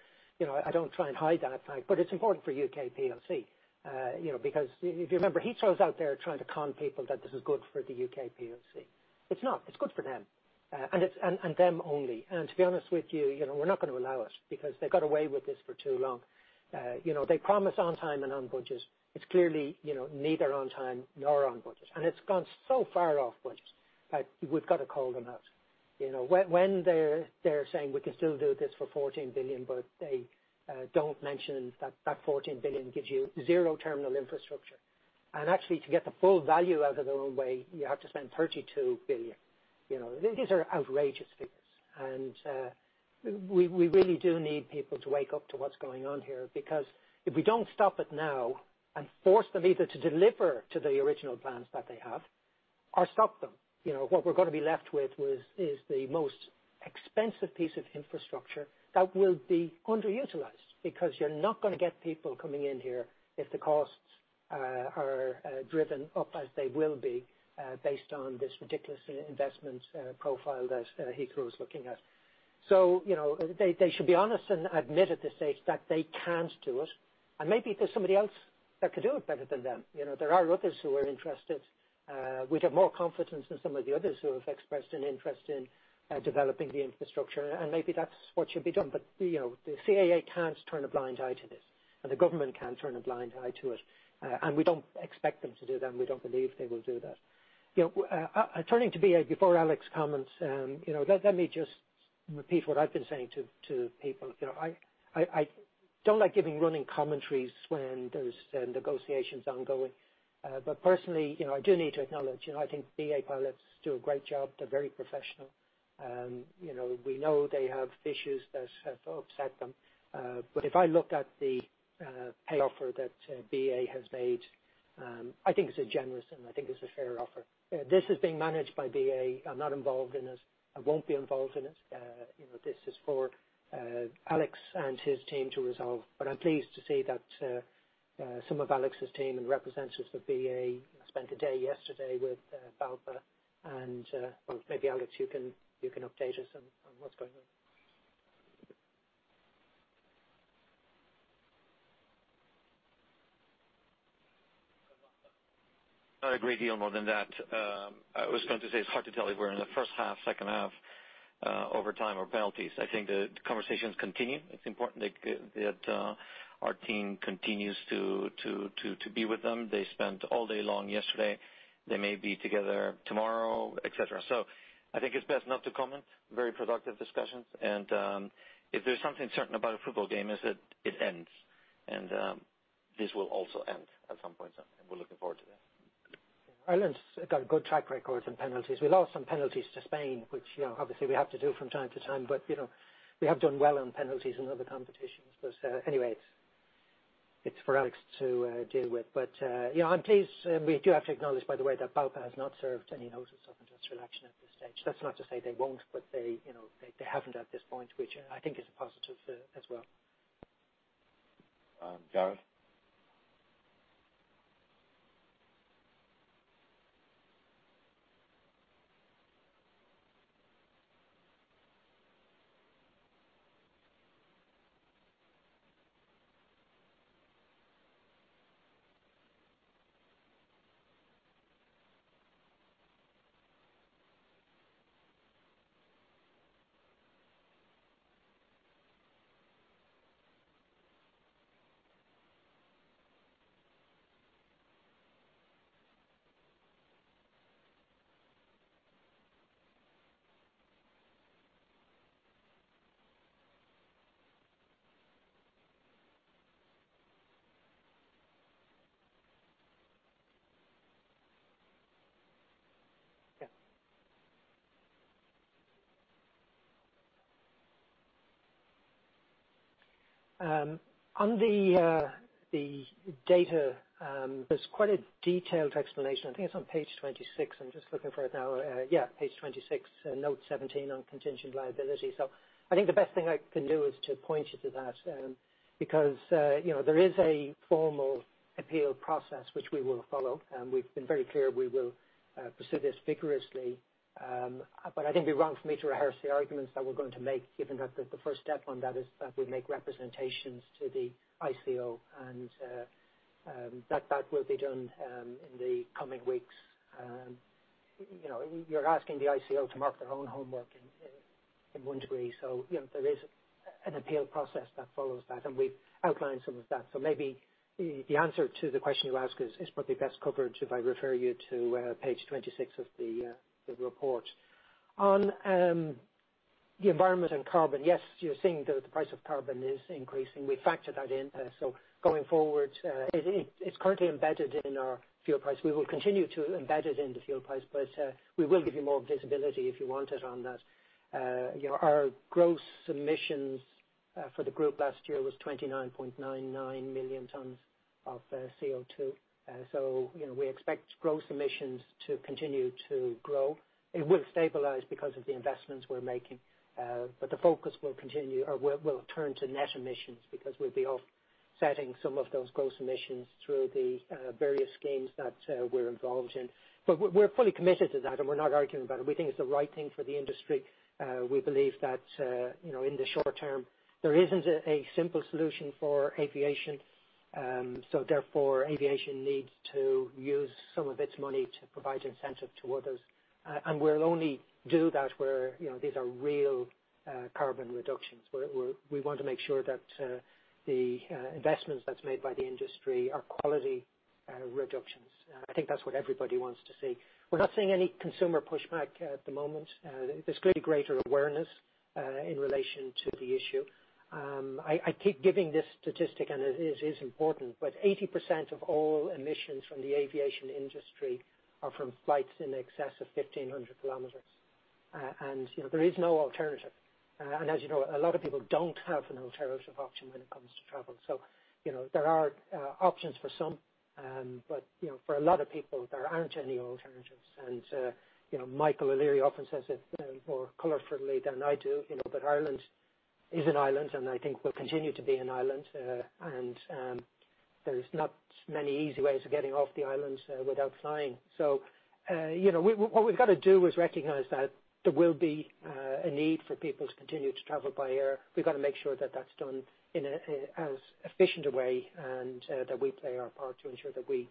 try and hide that fact, but it's important for U.K. plc. If you remember, Heathrow is out there trying to con people that this is good for the U.K. plc. It's not. It's good for them, and them only. To be honest with you, we're not going to allow it because they got away with this for too long. They promise on time and on budget. It's clearly neither on time nor on budget. It's gone so far off budget that we've got to call them out. They're saying we can still do this for 14 billion, but they don't mention that that 14 billion gives you zero terminal infrastructure. Actually, to get the full value out of the runway, you have to spend 32 billion. These are outrageous figures, and we really do need people to wake up to what's going on here, because if we don't stop it now and force them either to deliver to the original plans that they have or stop them, what we're going to be left with is the most expensive piece of infrastructure that will be underutilized. You're not going to get people coming in here if the costs are driven up as they will be based on this ridiculous investment profile that Heathrow is looking at. They should be honest and admit at this stage that they can't do it, and maybe there's somebody else that could do it better than them. There are others who are interested. We'd have more confidence in some of the others who have expressed an interest in developing the infrastructure, and maybe that's what should be done. The CAA can't turn a blind eye to this, and the government can't turn a blind eye to it. We don't expect them to do that, and we don't believe they will do that. Turning to BA before Alex comments, let me just repeat what I've been saying to people. I don't like giving running commentaries when there's negotiations ongoing. Personally, I do need to acknowledge, I think BA pilots do a great job. They're very professional. We know they have issues that have upset them. If I look at the pay offer that BA has made, I think it's a generous and I think it's a fair offer. This is being managed by BA. I'm not involved in it. I won't be involved in it. This is for Alex and his team to resolve. I'm pleased to see that some of Alex's team and representatives of BA spent a day yesterday with BALPA. Well, maybe, Alex, you can update us on what's going on. Not a great deal more than that. I was going to say it's hard to tell if we're in the first half, second half, overtime, or penalties. I think the conversations continue. It's important that our team continues to be with them. They spent all day long yesterday. They may be together tomorrow, et cetera. I think it's best not to comment. Very productive discussions and if there's something certain about a football game is that it ends, and this will also end at some point, and we're looking forward to that. Ireland's got a good track record on penalties. We lost on penalties to Spain, which obviously we have to do from time to time. We have done well on penalties in other competitions. Anyway, it's for Alex to deal with. I'm pleased. We do have to acknowledge, by the way, that BALPA has not served any notice of industrial action at this stage. That's not to say they won't, but they haven't at this point, which I think is a positive as well. Gareth? Yeah. On the data, there's quite a detailed explanation. I think it's on page 26. I'm just looking for it now. Yeah, page 26, note 17 on contingent liability. I think the best thing I can do is to point you to that, because there is a formal appeal process which we will follow, and we've been very clear we will pursue this vigorously. I think it'd be wrong for me to rehearse the arguments that we're going to make, given that the first step on that is that we make representations to the ICO, and that will be done in the coming weeks. You're asking the ICO to mark their own homework in one degree. There is an appeal process that follows that, and we've outlined some of that. Maybe the answer to the question you ask is probably best covered if I refer you to page 26 of the report. On the environment and carbon, yes, you're seeing the price of carbon is increasing. We factor that in. Going forward, it's currently embedded in our fuel price. We will continue to embed it in the fuel price, but we will give you more visibility if you want it on that. Our gross emissions for the group last year was 29.99 million tons of CO2. We expect gross emissions to continue to grow. It will stabilize because of the investments we're making. The focus will turn to net emissions because we'll be offsetting some of those gross emissions through the various schemes that we're involved in. We're fully committed to that, and we're not arguing about it. We think it's the right thing for the industry. We believe that in the short term, there isn't a simple solution for aviation. Therefore, aviation needs to use some of its money to provide incentive to others. We'll only do that where these are real carbon reductions. We want to make sure that the investments that's made by the industry are quality reductions. I think that's what everybody wants to see. We're not seeing any consumer pushback at the moment. There's clearly greater awareness in relation to the issue. I keep giving this statistic, and it is important, but 80% of all emissions from the aviation industry are from flights in excess of 1,500 kilometers. There is no alternative. As you know, a lot of people don't have an alternative option when it comes to travel. There are options for some, but for a lot of people, there aren't any alternatives. Michael O'Leary often says it more colorfully than I do, but Ireland is an island, and I think will continue to be an island. There's not many easy ways of getting off the island without flying. What we've got to do is recognize that there will be a need for people to continue to travel by air. We've got to make sure that that's done in as efficient a way, and that we play our part to ensure that we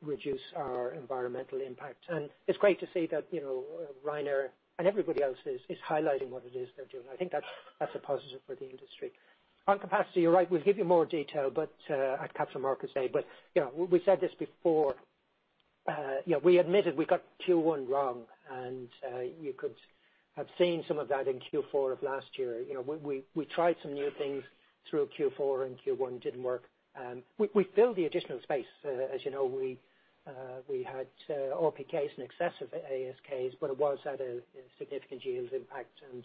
reduce our environmental impact. It's great to see that Ryanair and everybody else is highlighting what it is they're doing. I think that's a positive for the industry. On capacity, you're right, we'll give you more detail at Capital Markets Day. We've said this before. We admitted we got Q1 wrong, and you could have seen some of that in Q4 of last year. We tried some new things through Q4 and Q1, didn't work. We filled the additional space. As you know, we had RPKs in excess of ASK, but it was at a significant yield impact and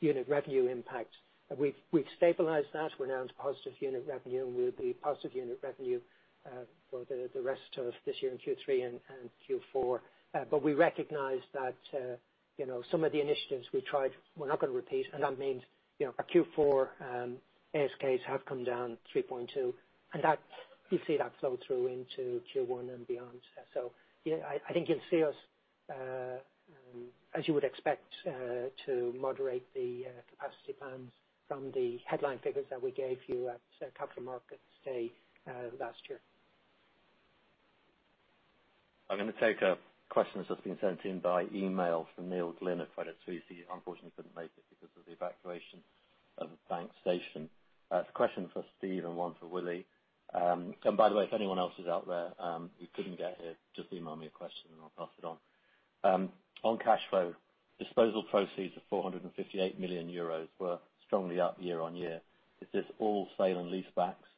unit revenue impact. We've stabilized that. We're now into positive unit revenue, and we'll be positive unit revenue for the rest of this year in Q3 and Q4. We recognize that some of the initiatives we tried, we're not going to repeat, and that means our Q4 ASKs have come down 3.2, and you'll see that flow through into Q1 and beyond. I think you'll see us, as you would expect, to moderate the capacity plans from the headline figures that we gave you at Capital Markets Day last year. I'm going to take a question that's just been sent in by email from Neil Glynn at Credit Suisse. He unfortunately couldn't make it because of the evacuation of Bank Station. It's a question for Steve and one for Willie. By the way, if anyone else is out there who couldn't get here, just email me a question, and I'll pass it on. On cash flow, disposal proceeds of 458 million euros were strongly up year-on-year. Is this all sale and lease backs?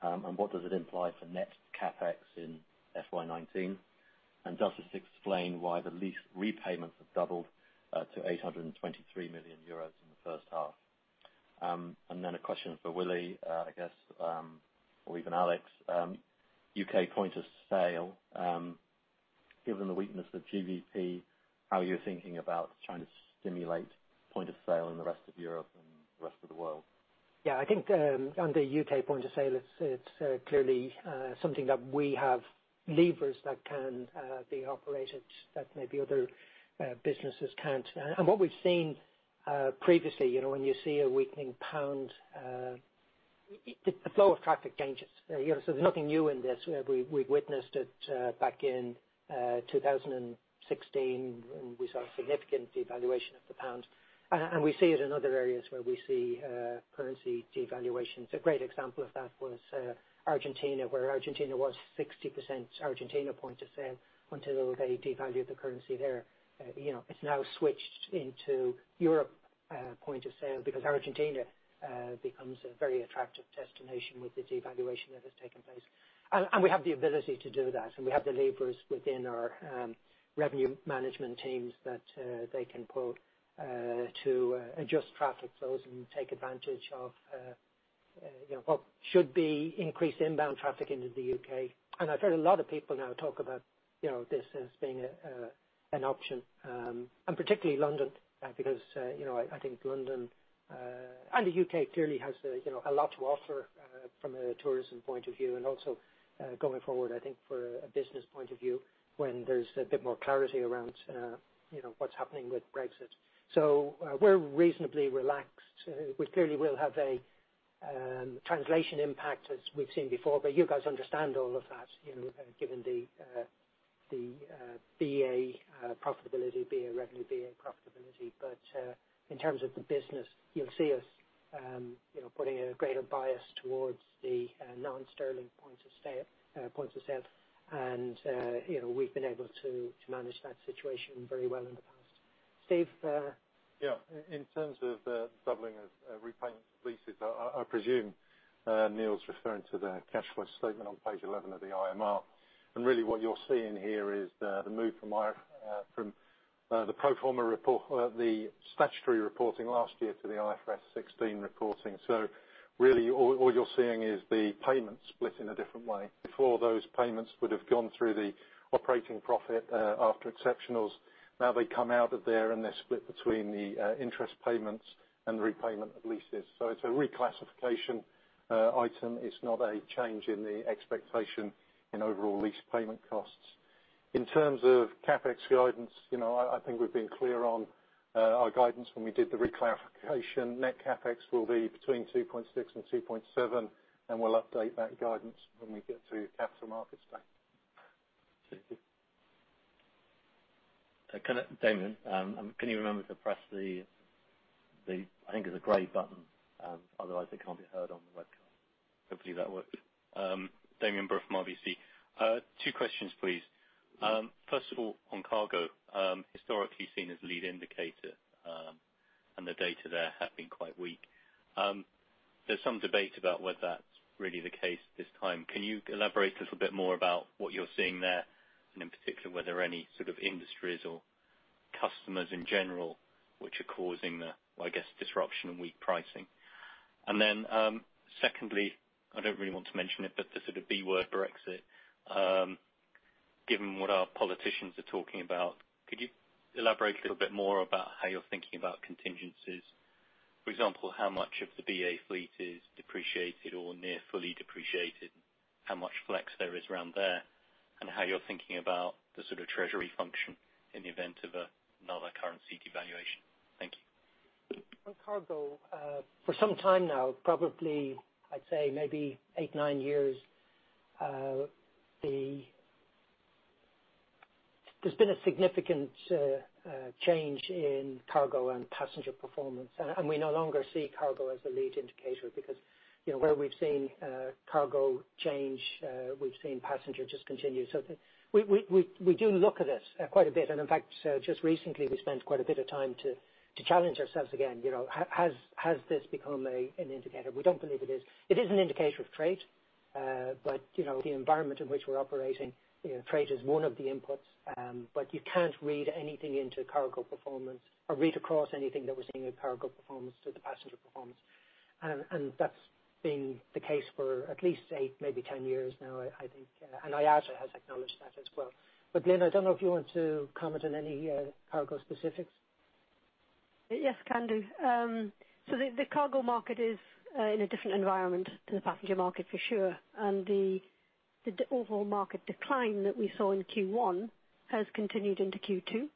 What does it imply for net CapEx in FY 2019? Does this explain why the lease repayments have doubled to 823 million euros in the first half? A question for Willie, I guess, or even Alex. U.K. point of sale. Given the weakness of GBP, how are you thinking about trying to stimulate point of sale in the rest of Europe and the rest of the world? Yeah, I think on the U.K. point of sale, it's clearly something that we have levers that can be operated that maybe other businesses can't. What we've seen previously, when you see a weakening pound, the flow of traffic changes. There's nothing new in this. We've witnessed it back in 2016 when we saw a significant devaluation of the pound. We see it in other areas where we see currency devaluations. A great example of that was Argentina, where Argentina was 60% Argentina point of sale until they devalued the currency there. It's now switched into Europe point of sale because Argentina becomes a very attractive destination with the devaluation that has taken place. We have the ability to do that, and we have the levers within our revenue management teams that they can pull to adjust traffic flows and take advantage of what should be increased inbound traffic into the U.K. I've heard a lot of people now talk about this as being an option, and particularly London, because I think London and the U.K. clearly has a lot to offer from a tourism point of view and also going forward, I think for a business point of view, when there's a bit more clarity around what's happening with Brexit. We're reasonably relaxed. We clearly will have a translation impact as we've seen before, but you guys understand all of that, given the BA profitability, BA revenue, BA profitability. In terms of the business, you'll see us putting a greater bias towards the non-sterling points of sale. We’ve been able to manage that situation very well in the past. Steve? In terms of the doubling of repayment of leases, I presume Neil's referring to the cash flow statement on page 11 of the IMR. Really what you're seeing here is the move from the pro forma report, the statutory reporting last year to the IFRS 16 reporting. Really all you're seeing is the payment split in a different way. Before, those payments would have gone through the operating profit after exceptionals. Now they come out of there, and they're split between the interest payments and the repayment of leases. It's a reclassification item. It's not a change in the expectation in overall lease payment costs. In terms of CapEx guidance, I think we've been clear on our guidance when we did the reclassification. Net CapEx will be between 2.6 and 2.7, and we'll update that guidance when we get to Capital Markets Day. Thank you. Damian, can you remember to press the, I think it's a gray button, otherwise it can't be heard on the webcam. Hopefully that works. Damian Brewer from RBC. Two questions, please. First of all, on cargo, historically seen as lead indicator, the data there have been quite weak. There's some debate about whether that's really the case this time. Can you elaborate a little bit more about what you're seeing there, in particular, were there any sort of industries or customers in general which are causing the, I guess, disruption and weak pricing? Secondly, I don't really want to mention it, but the sort of B word, Brexit. Given what our politicians are talking about, could you elaborate a little bit more about how you're thinking about contingencies? For example, how much of the BA fleet is depreciated or near fully depreciated, how much flex there is around there, how you're thinking about the sort of treasury function in the event of another currency devaluation? Thank you. On cargo, for some time now, probably, I'd say maybe eight, nine years, there's been a significant change in cargo and passenger performance. We no longer see cargo as a lead indicator because where we've seen cargo change, we've seen passenger just continue. We do look at it quite a bit. In fact, just recently, we spent quite a bit of time to challenge ourselves again. Has this become an indicator? We don't believe it is. It is an indicator of trade. The environment in which we're operating, trade is one of the inputs. You can't read anything into cargo performance or read across anything that we're seeing with cargo performance to the passenger performance. That's been the case for at least eight, maybe 10 years now, I think. IATA has acknowledged that as well. Lynne, I don't know if you want to comment on any cargo specifics. Yes, can do. The cargo market is in a different environment to the passenger market for sure. The overall market decline that we saw in Q1 has continued into Q2.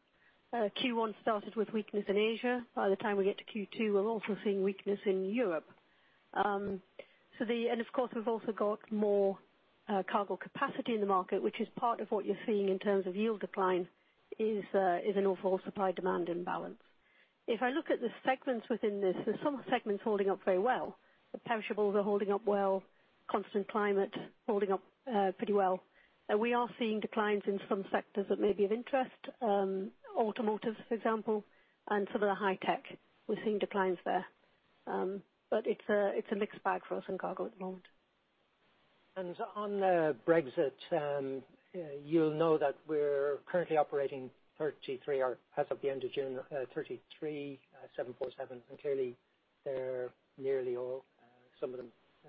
Q1 started with weakness in Asia. By the time we get to Q2, we're also seeing weakness in Europe. Of course, we've also got more cargo capacity in the market, which is part of what you're seeing in terms of yield decline is an overall supply-demand imbalance. If I look at the segments within this, there's some segments holding up very well. The perishables are holding up well, constant climate holding up pretty well. We are seeing declines in some sectors that may be of interest. Automotive, for example, and some of the high tech. We're seeing declines there. It's a mixed bag for us in cargo at the moment. On Brexit, you'll know that we're currently operating 33, or as of the end of June, 33 747s. Clearly they're nearly all, some of them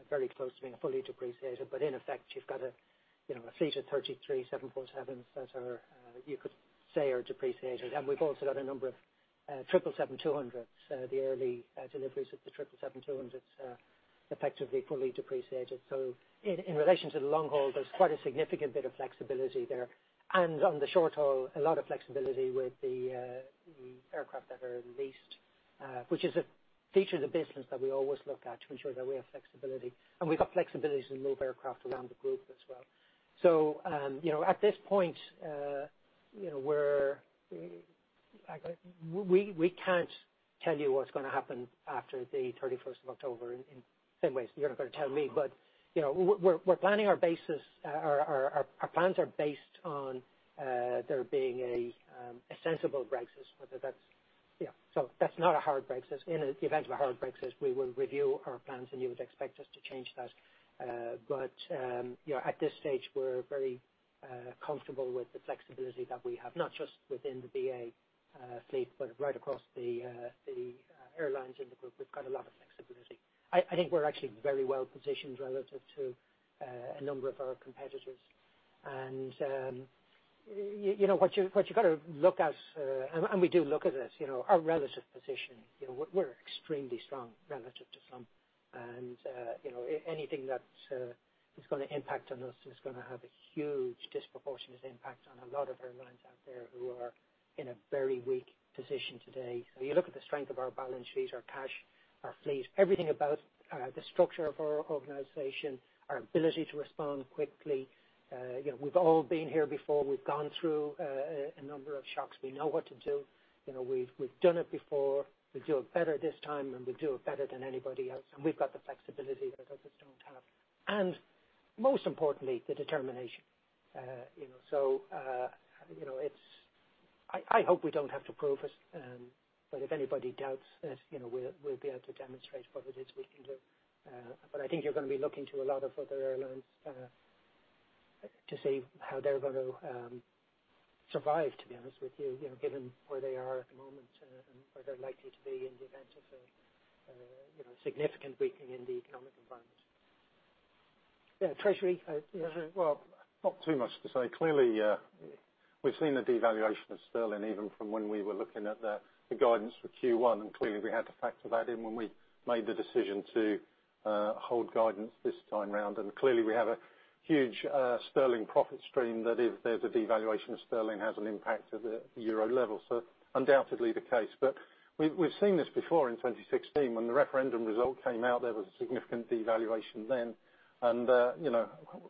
very close to being fully depreciated. In effect, you've got a fleet of 33 747s that you could say are depreciated. We've also got a number of 777-200s, the early deliveries of the 777-200s effectively fully depreciated. In relation to the long haul, there's quite a significant bit of flexibility there. On the short haul, a lot of flexibility with the aircraft that are leased, which is a feature of the business that we always look at to ensure that we have flexibility. We've got flexibility to move aircraft around the group as well. At this point, we can't tell you what's going to happen after the 31st of October in the same way as you're not going to tell me. Our plans are based on there being a sensible Brexit. That's not a hard Brexit. In the event of a hard Brexit, we will review our plans, and you would expect us to change that. At this stage, we're very comfortable with the flexibility that we have, not just within the BA fleet, but right across the airlines in the group. We've got a lot of flexibility. I think we're actually very well positioned relative to a number of our competitors. What you've got to look at, and we do look at this, our relative position. We're extremely strong relative to some. Anything that is going to impact on us is going to have a huge disproportionate impact on a lot of airlines out there who are in a very weak position today. You look at the strength of our balance sheet, our cash, our fleet, everything about the structure of our organization, our ability to respond quickly. We've all been here before. We've gone through a number of shocks. We know what to do. We've done it before. We do it better this time, and we do it better than anybody else, and we've got the flexibility that others don't have. Most importantly, the determination. I hope we don't have to prove it, but if anybody doubts it, we'll be able to demonstrate what it is we can do. I think you're going to be looking to a lot of other airlines to see how they're going to survive, to be honest with you, given where they are at the moment and where they're likely to be in the event of a significant weakening in the economic environment. Yeah, Treasury. Well, not too much to say. Clearly, we've seen the devaluation of sterling even from when we were looking at the guidance for Q1, and clearly we had to factor that in when we made the decision to hold guidance this time around. Clearly we have a huge sterling profit stream that if there's a devaluation of sterling has an impact at the euro level. Undoubtedly the case. We've seen this before in 2016 when the referendum result came out, there was a significant devaluation then.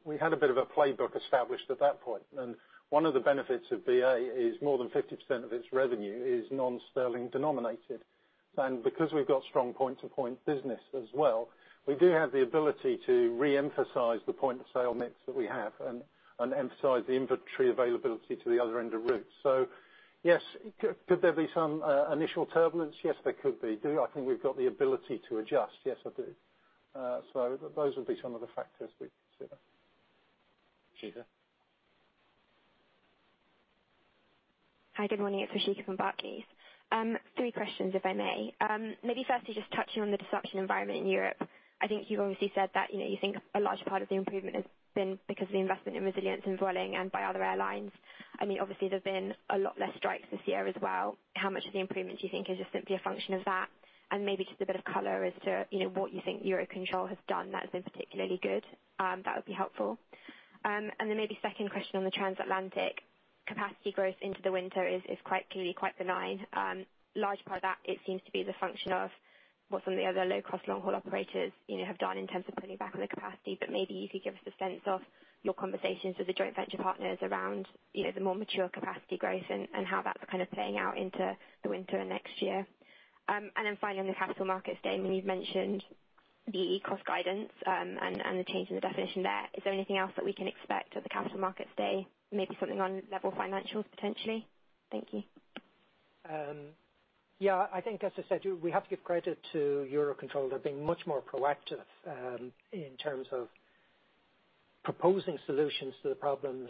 We had a bit of a playbook established at that point. One of the benefits of BA is more than 50% of its revenue is non-sterling denominated. Because we've got strong point-to-point business as well, we do have the ability to reemphasize the point-of-sale mix that we have and emphasize the inventory availability to the other end of routes. Yes, could there be some initial turbulence? Yes, there could be. Do I think we've got the ability to adjust? Yes, I do. Those would be some of the factors we'd consider. Shika. Hi, good morning. It's Rushika from Barclays. three questions, if I may. Maybe firstly, just touching on the disruption environment in Europe. I think you've obviously said that you think a large part of the improvement has been because of the investment in resilience in Vueling and by other airlines. Obviously there have been a lot less strikes this year as well. How much of the improvement do you think is just simply a function of that? Maybe just a bit of color as to what you think Eurocontrol has done that has been particularly good. That would be helpful. Then maybe second question on the transatlantic capacity growth into the winter is quite clearly quite benign. Large part of that, it seems to be the function of what some of the other low-cost long-haul operators have done in terms of pulling back on the capacity. Maybe if you give us a sense of your conversations with the joint venture partners around the more mature capacity growth and how that's playing out into the winter and next year. Then finally, on the Capital Markets Day, you've mentioned the cost guidance and the change in the definition there. Is there anything else that we can expect at the Capital Markets Day? Maybe something on LEVEL financials potentially? Thank you. Yeah, I think as I said, we have to give credit to Eurocontrol. They're being much more proactive in terms of proposing solutions to the problems.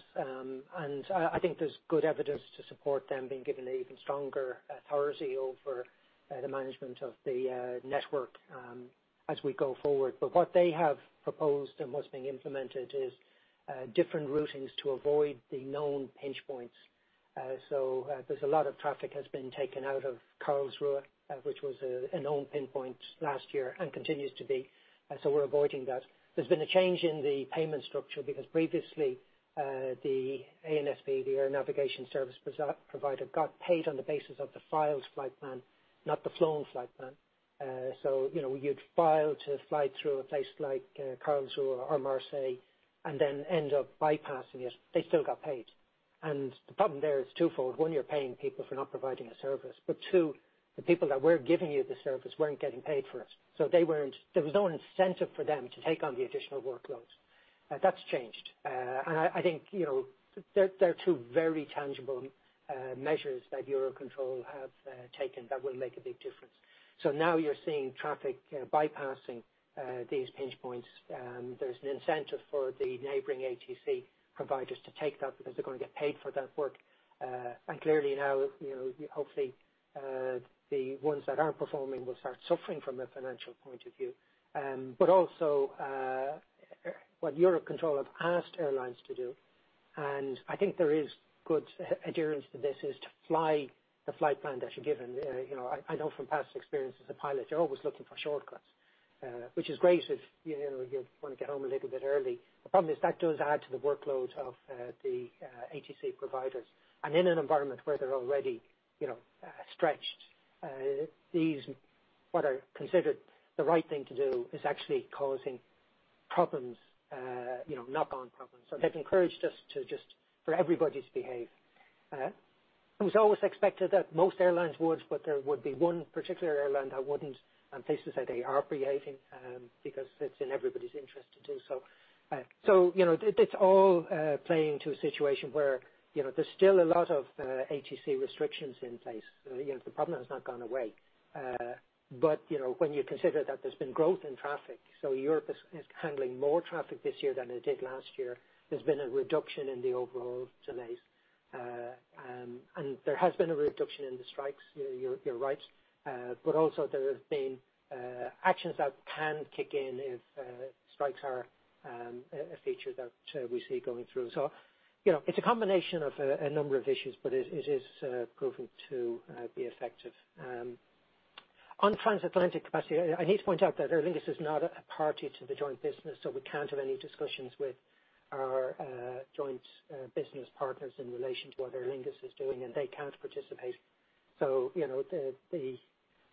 I think there's good evidence to support them being given even stronger authority over the management of the network as we go forward. What they have proposed and what's being implemented is different routings to avoid the known pinch points. There's a lot of traffic has been taken out of Karlsruhe, which was a known pinpoint last year and continues to be. We're avoiding that. There's been a change in the payment structure because previously, the ANSP, the Air Navigation Service Provider, got paid on the basis of the filed flight plan, not the flown flight plan. You'd file to fly through a place like Karlsruhe or Marseille and then end up bypassing it. They still got paid. The problem there is twofold. One, you're paying people for not providing a service. Two, the people that were giving you the service weren't getting paid for it. There was no incentive for them to take on the additional workloads. That's changed. I think they're two very tangible measures that Eurocontrol have taken that will make a big difference. Now you're seeing traffic bypassing these pinch points. There's an incentive for the neighboring ATC providers to take that because they're going to get paid for that work. Clearly now, hopefully, the ones that are performing will start suffering from a financial point of view. Also what Eurocontrol have asked airlines to do, and I think there is good adherence to this, is to fly the flight plan that you're given. I know from past experience as a pilot, you're always looking for shortcuts, which is great if you want to get home a little bit early. The problem is that does add to the workload of the ATC providers. In an environment where they're already stretched, what I considered the right thing to do is actually causing problems, knock-on problems. They've encouraged us for everybody to behave. It was always expected that most airlines would, but there would be one particular airline that wouldn't. I'm pleased to say they are behaving, because it's in everybody's interest to do so. It's all playing to a situation where there's still a lot of ATC restrictions in place. The problem has not gone away. When you consider that there's been growth in traffic, Europe is handling more traffic this year than it did last year. There's been a reduction in the overall delays. There has been a reduction in the strikes, you're right. Also there have been actions that can kick in if strikes are a feature that we see going through. It's a combination of a number of issues, but it is proving to be effective. On transatlantic capacity, I need to point out that Aer Lingus is not a party to the joint business, so we can't have any discussions with our joint business partners in relation to what Aer Lingus is doing, and they can't participate.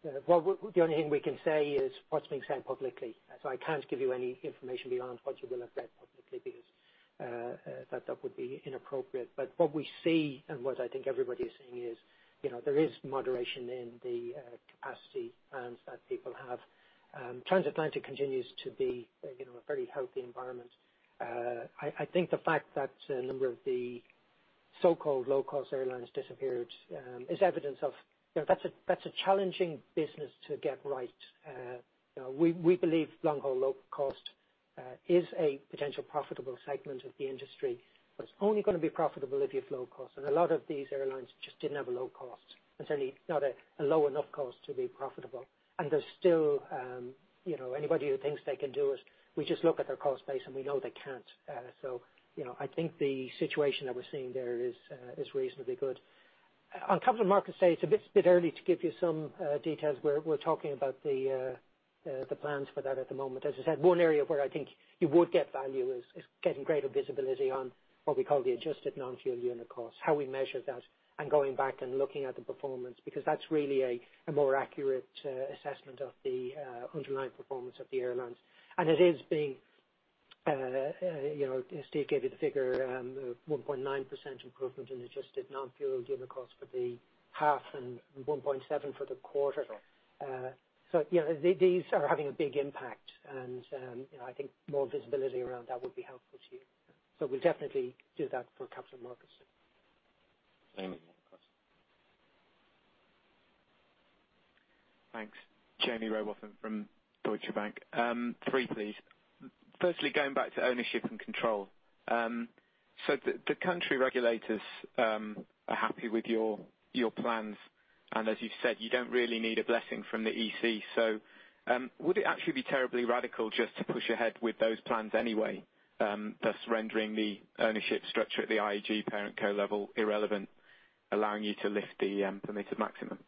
The only thing we can say is what's being said publicly. I can't give you any information beyond what you will have read publicly because that would be inappropriate. What we see and what I think everybody is seeing is, there is moderation in the capacity plans that people have. Transatlantic continues to be a very healthy environment. I think the fact that a number of the so-called low-cost airlines disappeared is evidence of that's a challenging business to get right. We believe long-haul low cost is a potential profitable segment of the industry, but it's only going to be profitable if you have low costs. A lot of these airlines just didn't have a low cost, certainly not a low enough cost to be profitable. There's still anybody who thinks they can do it, we just look at their cost base and we know they can't. I think the situation that we're seeing there is reasonably good. On Capital Markets Day, it's a bit early to give you some details. We're talking about the plans for that at the moment. As I said, one area where I think you would get value is getting greater visibility on what we call the adjusted non-fuel unit cost, how we measure that, and going back and looking at the performance because that's really a more accurate assessment of the underlying performance of the airlines. Steve gave you the figure, the 1.9% improvement in adjusted non-fuel unit cost for the half and 1.7% for the quarter. These are having a big impact, and I think more visibility around that would be helpful to you. We'll definitely do that for capital markets. Thank you. Thanks. Jaime Rowbotham from Deutsche Bank. Three, please. Firstly, going back to ownership and control. The country regulators are happy with your plans, and as you've said, you don't really need a blessing from the EC. Would it actually be terribly radical just to push ahead with those plans anyway, thus rendering the ownership structure at the IAG parent co-level irrelevant, allowing you to lift the permitted maximum?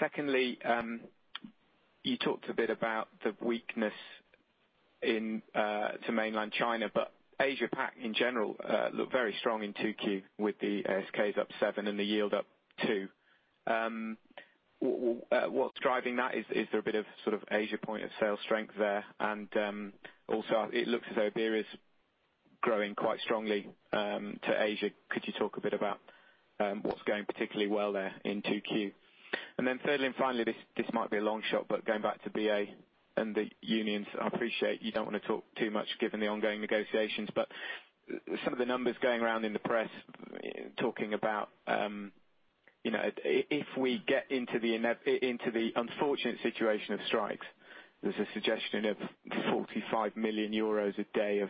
Secondly, you talked a bit about the weakness to mainland China, but Asia PAC in general looked very strong in 2Q with the ASKs up seven and the yield up two. What's driving that? Is there a bit of Asia point of sale strength there? And also it looks as though Iberia is growing quite strongly to Asia. Could you talk a bit about what's going particularly well there in 2Q? Thirdly and finally, this might be a long shot, going back to BA and the unions, I appreciate you don't want to talk too much given the ongoing negotiations, some of the numbers going around in the press talking about if we get into the unfortunate situation of strikes, there's a suggestion of 45 million euros a day of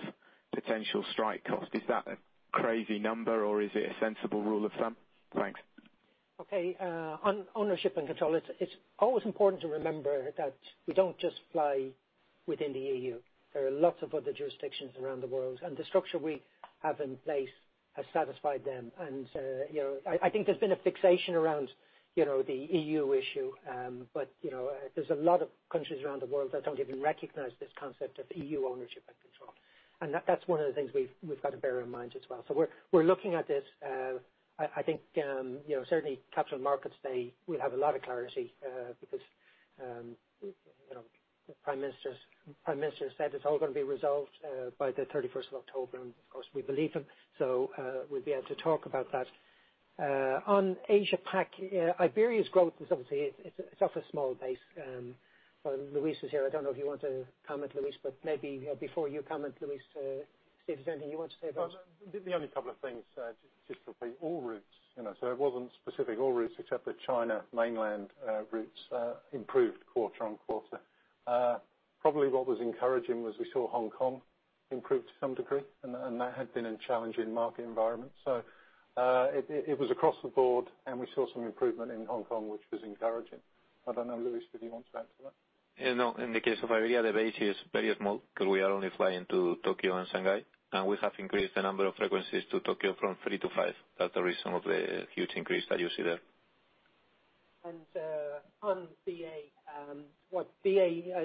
potential strike cost. Is that a crazy number or is it a sensible rule of thumb? Thanks. Okay. On ownership and control, it's always important to remember that we don't just fly within the EU. There are lots of other jurisdictions around the world, the structure we have in place has satisfied them. I think there's been a fixation around the EU issue. There's a lot of countries around the world that don't even recognize this concept of EU ownership and control. That's one of the things we've got to bear in mind as well. We're looking at this. I think, certainly Capital Markets Day will have a lot of clarity, because the prime minister said it's all going to be resolved by the 31st of October. Of course, we believe him. We'll be able to talk about that. On Asia PAC, Iberia's growth is obviously it's off a small base. Luis is here. I don't know if you want to comment, Luis, but maybe before you comment, Luis, Steve, is there anything you want to say about that? The only couple of things, just to be all routes. It wasn't specific all routes except the China mainland routes improved quarter-on-quarter. Probably what was encouraging was we saw Hong Kong improve to some degree, and that had been a challenging market environment. It was across the board, and we saw some improvement in Hong Kong, which was encouraging. I don't know, Luis, did you want to add to that? No. In the case of Iberia, the base is very small because we are only flying to Tokyo and Shanghai. We have increased the number of frequencies to Tokyo from three to five. That is some of the huge increase that you see there. On BA,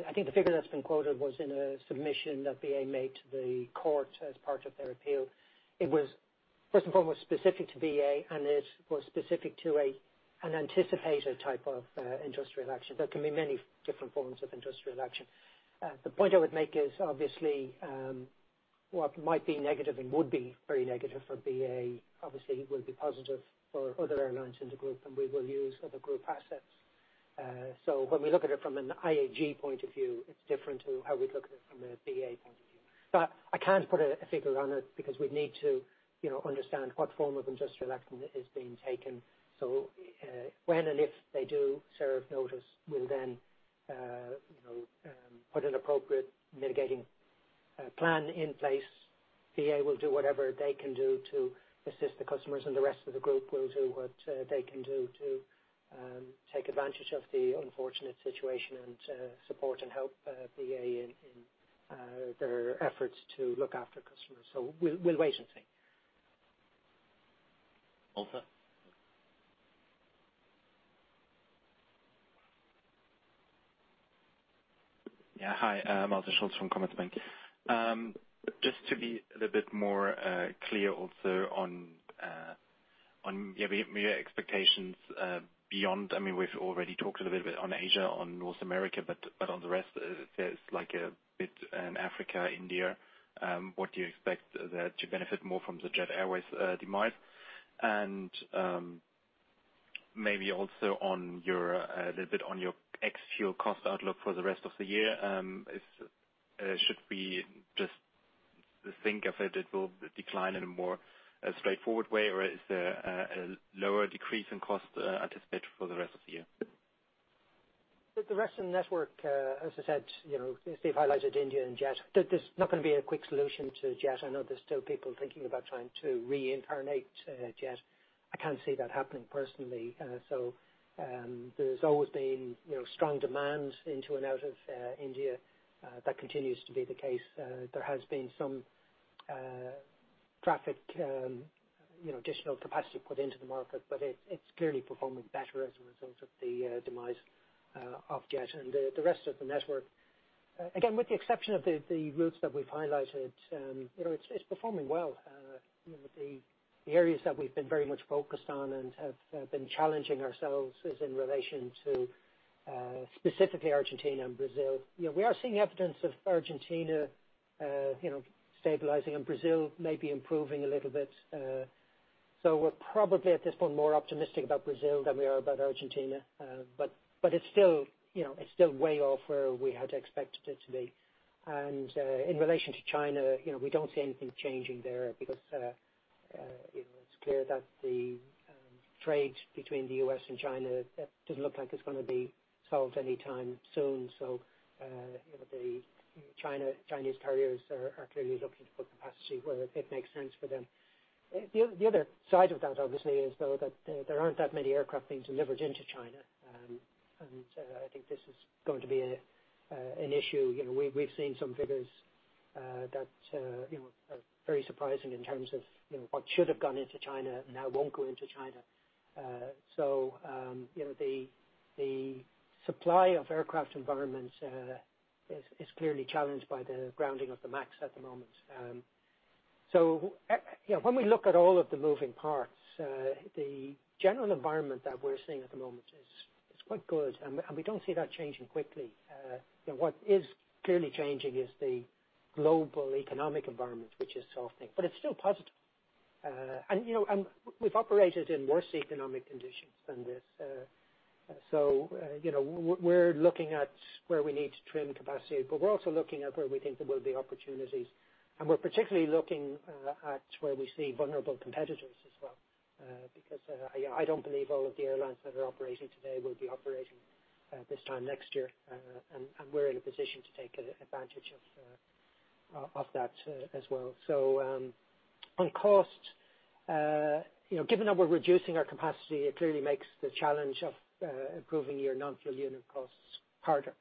I think the figure that's been quoted was in a submission that BA made to the court as part of their appeal. First and foremost, specific to BA, and it was specific to an anticipated type of industrial action. There can be many different forms of industrial action. The point I would make is obviously what might be negative and would be very negative for BA, obviously will be positive for other airlines in the group, and we will use other group assets. When we look at it from an IAG point of view, it's different to how we'd look at it from a BA point of view. I can't put a figure on it because we'd need to understand what form of industrial action is being taken. When and if they do serve notice, we'll then put an appropriate mitigating plan in place. BA will do whatever they can do to assist the customers, and the rest of the group will do what they can do to take advantage of the unfortunate situation and support and help BA in their efforts to look after customers. We'll wait and see. Malte? Yeah. Hi, Malte Schulz from Commerzbank. Just to be a little bit more clear also on your expectations beyond, we've already talked a little bit on Asia, on North America, but on the rest, there is like a bit in Africa, India. What do you expect there to benefit more from the Jet Airways demise? Maybe also a little bit on your ex-fuel cost outlook for the rest of the year. Should we just think of it will decline in a more straightforward way, or is there a lower decrease in cost anticipated for the rest of the year? The rest of the network, as I said, Steve highlighted India and Jet Airways, that there's not going to be a quick solution to Jet Airways. I know there's still people thinking about trying to reincarnate Jet Airways. I can't see that happening personally. There's always been strong demand into and out of India. That continues to be the case. There has been some traffic, additional capacity put into the market, but it's clearly performing better as a result of the demise of Jet Airways. The rest of the network, again, with the exception of the routes that we've highlighted, it's performing well. The areas that we've been very much focused on and have been challenging ourselves is in relation to specifically Argentina and Brazil. We are seeing evidence of Argentina stabilizing and Brazil maybe improving a little bit. We're probably at this point more optimistic about Brazil than we are about Argentina. It's still way off where we had expected it to be. In relation to China, we don't see anything changing there because it's clear that the trade between the U.S. and China doesn't look like it's going to be solved anytime soon. The Chinese carriers are clearly looking to put capacity where it makes sense for them. The other side of that obviously is, though, that there aren't that many aircraft being delivered into China. I think this is going to be an issue. We've seen some figures that are very surprising in terms of what should have gone into China now won't go into China. The supply of aircraft environments is clearly challenged by the grounding of the MAX at the moment. When we look at all of the moving parts, the general environment that we're seeing at the moment is quite good, and we don't see that changing quickly. What is clearly changing is the global economic environment, which is softening, but it's still positive. We've operated in worse economic conditions than this. We're looking at where we need to trim capacity, but we're also looking at where we think there will be opportunities. We're particularly looking at where we see vulnerable competitors as well, because I don't believe all of the airlines that are operating today will be operating this time next year. We're in a position to take advantage of that as well. On cost, given that we're reducing our capacity, it clearly makes the challenge of improving your non-fuel unit costs harder.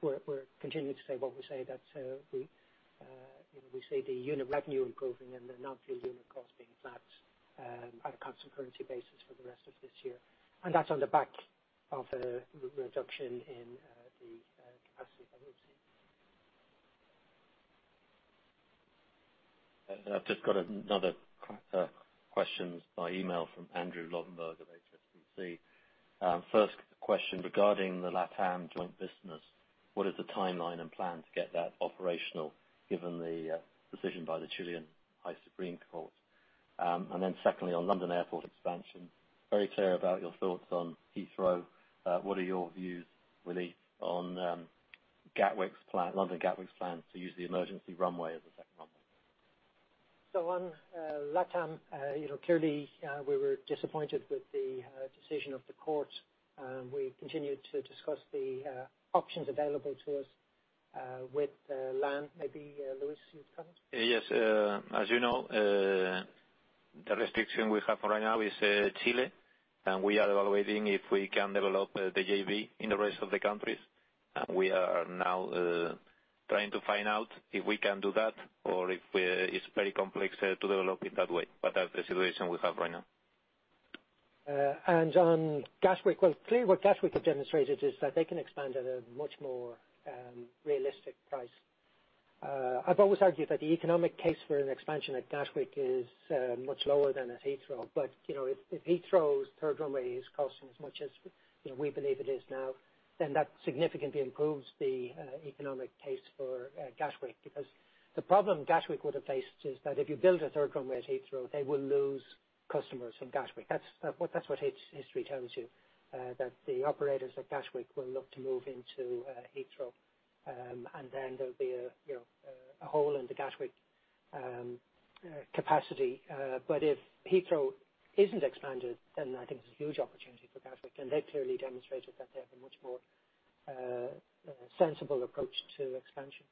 We're continuing to say what we say, that we see the unit revenue improving and the non-fuel unit cost being flat at a constant currency basis for the rest of this year. That's on the back of a reduction in the capacity that we've seen. I've just got another question by email from Andrew Lobbenberg of HSBC. First question regarding the Latam joint business. What is the timeline and plan to get that operational given the decision by the Supreme Court of Chile? Secondly, on London Airport expansion, very clear about your thoughts on Heathrow. What are your views, Willie, on Gatwick's plan, London Gatwick's plan to use the emergency runway as a second runway? On LATAM, clearly, we were disappointed with the decision of the court. We continued to discuss the options available to us with LATAM. Maybe Luis, you'd comment? Yes. As you know, the restriction we have for right now is Chile. We are evaluating if we can develop the JV in the rest of the countries. We are now trying to find out if we can do that or if it's very complex to develop it that way. That's the situation we have right now. On Gatwick, well, clearly, what Gatwick have demonstrated is that they can expand at a much more realistic price. I've always argued that the economic case for an expansion at Gatwick is much lower than at Heathrow. If Heathrow's third runway is costing as much as we believe it is now, then that significantly improves the economic case for Gatwick. The problem Gatwick would have faced is that if you build a third runway at Heathrow, they will lose customers from Gatwick. That's what history tells you, that the operators at Gatwick will look to move into Heathrow, and then there'll be a hole in the Gatwick capacity. If Heathrow isn't expanded, then I think there's a huge opportunity for Gatwick, and they've clearly demonstrated that they have a much more sensible approach to expansion.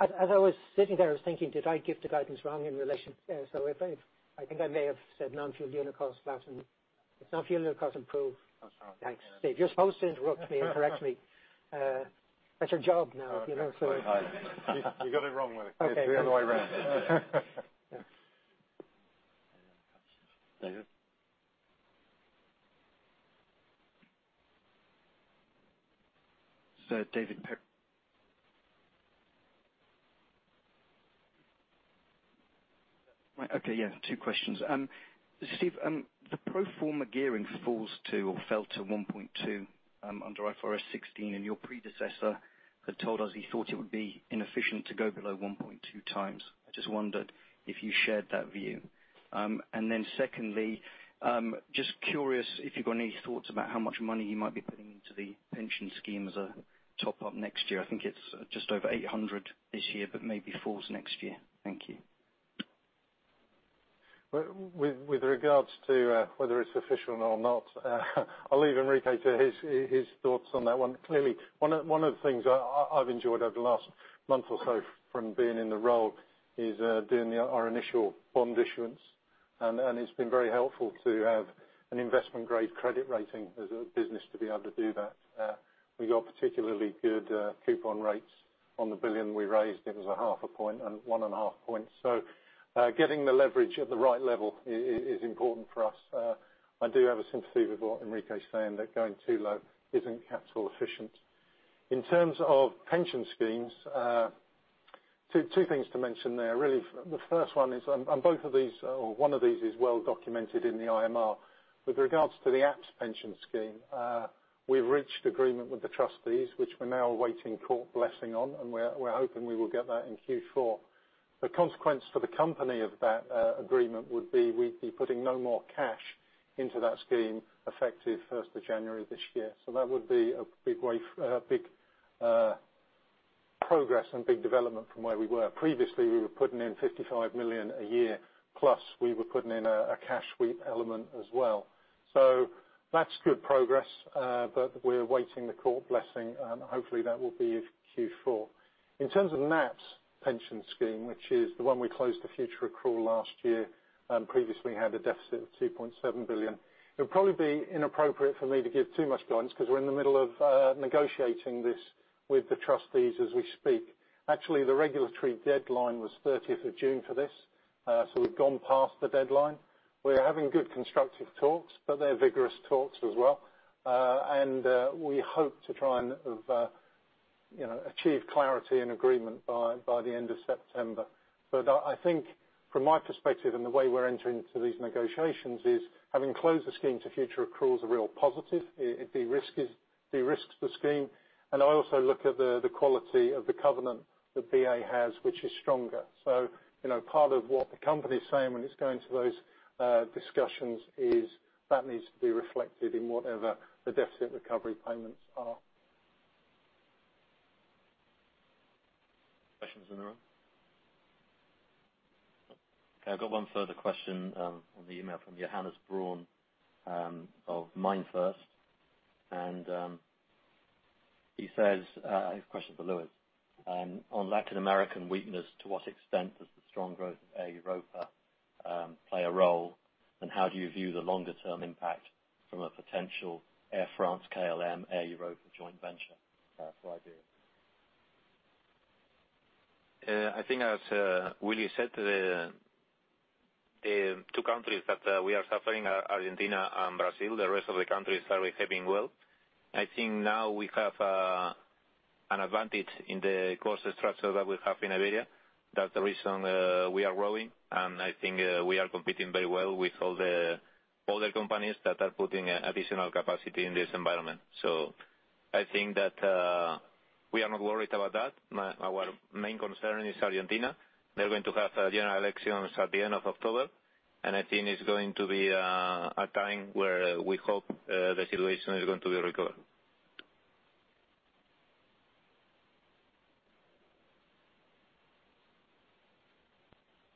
As I was sitting there, I was thinking, did I give the guidance wrong in relation? I think I may have said non-fuel unit costs flattened. It's non-fuel unit costs improved. That's right. Thanks, Steve. You're supposed to interrupt me and correct me. That's your job now. Sorry. You got it wrong, Willie. Okay. The other way around. David. Sir David Right. Okay. Yeah, two questions. Steve, the pro forma gearing falls to or fell to 1.2 under IFRS 16, and your predecessor had told us he thought it would be inefficient to go below 1.2 times. Secondly, just curious if you've got any thoughts about how much money you might be putting into the pension scheme as a top-up next year. I think it's just over 800 this year, but maybe falls next year. Thank you. With regards to whether it's sufficient or not, I'll leave Enrique to his thoughts on that one. Clearly, one of the things I've enjoyed over the last month or so from being in the role is doing our initial bond issuance, and it's been very helpful to have an investment-grade credit rating as a business to be able to do that. We got particularly good coupon rates on the 1 billion we raised. It was a half a point and one and a half points. Getting the leverage at the right level is important for us. I do have a sympathy with what Enrique is saying, that going too low isn't capital efficient. In terms of pension schemes, two things to mention there. Really, the first one is, both of these or one of these is well documented in the IMR. With regards to the APS pension scheme, we've reached agreement with the trustees, which we're now awaiting court blessing on, and we're hoping we will get that in Q4. The consequence for the company of that agreement would be we'd be putting no more cash into that scheme effective 1st of January this year. That would be a big progress and big development from where we were. Previously, we were putting in 55 million a year, plus we were putting in a cash sweep element as well. That's good progress, but we're awaiting the court blessing, and hopefully, that will be in Q4. In terms of NAPS pension scheme, which is the one we closed to future accrual last year, previously had a deficit of 2.7 billion. It would probably be inappropriate for me to give too much guidance because we're in the middle of negotiating this with the trustees as we speak. Actually, the regulatory deadline was 30th of June for this. We've gone past the deadline. We are having good constructive talks, but they're vigorous talks as well. We hope to try and achieve clarity and agreement by the end of September. I think from my perspective and the way we're entering into these negotiations is having closed the scheme to future accruals a real positive. It de-risks the scheme. I also look at the quality of the covenant that BA has, which is stronger. Part of what the company is saying when it's going to those discussions is that needs to be reflected in whatever the deficit recovery payments are. Questions in the room? Okay, I've got one further question on the email from Johannes Braun of MainFirst. He says, he has a question for Luis. On Latin American weakness, to what extent does the strong growth of Air Europa play a role, and how do you view the longer-term impact from a potential Air France-KLM, Air Europa joint venture for Iberia? I think as Willie said, the two countries that we are suffering are Argentina and Brazil. The rest of the countries are behaving well. I think now we have an advantage in the cost structure that we have in Iberia. That's the reason we are growing, and I think we are competing very well with all the other companies that are putting additional capacity in this environment. I think that we are not worried about that. Our main concern is Argentina. They're going to have general elections at the end of October, and I think it's going to be a time where we hope the situation is going to be recovered.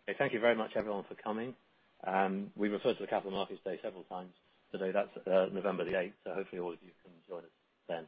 Okay. Thank you very much, everyone, for coming. We referred to the Capital Markets Day several times today. Hopefully all of you can join us then.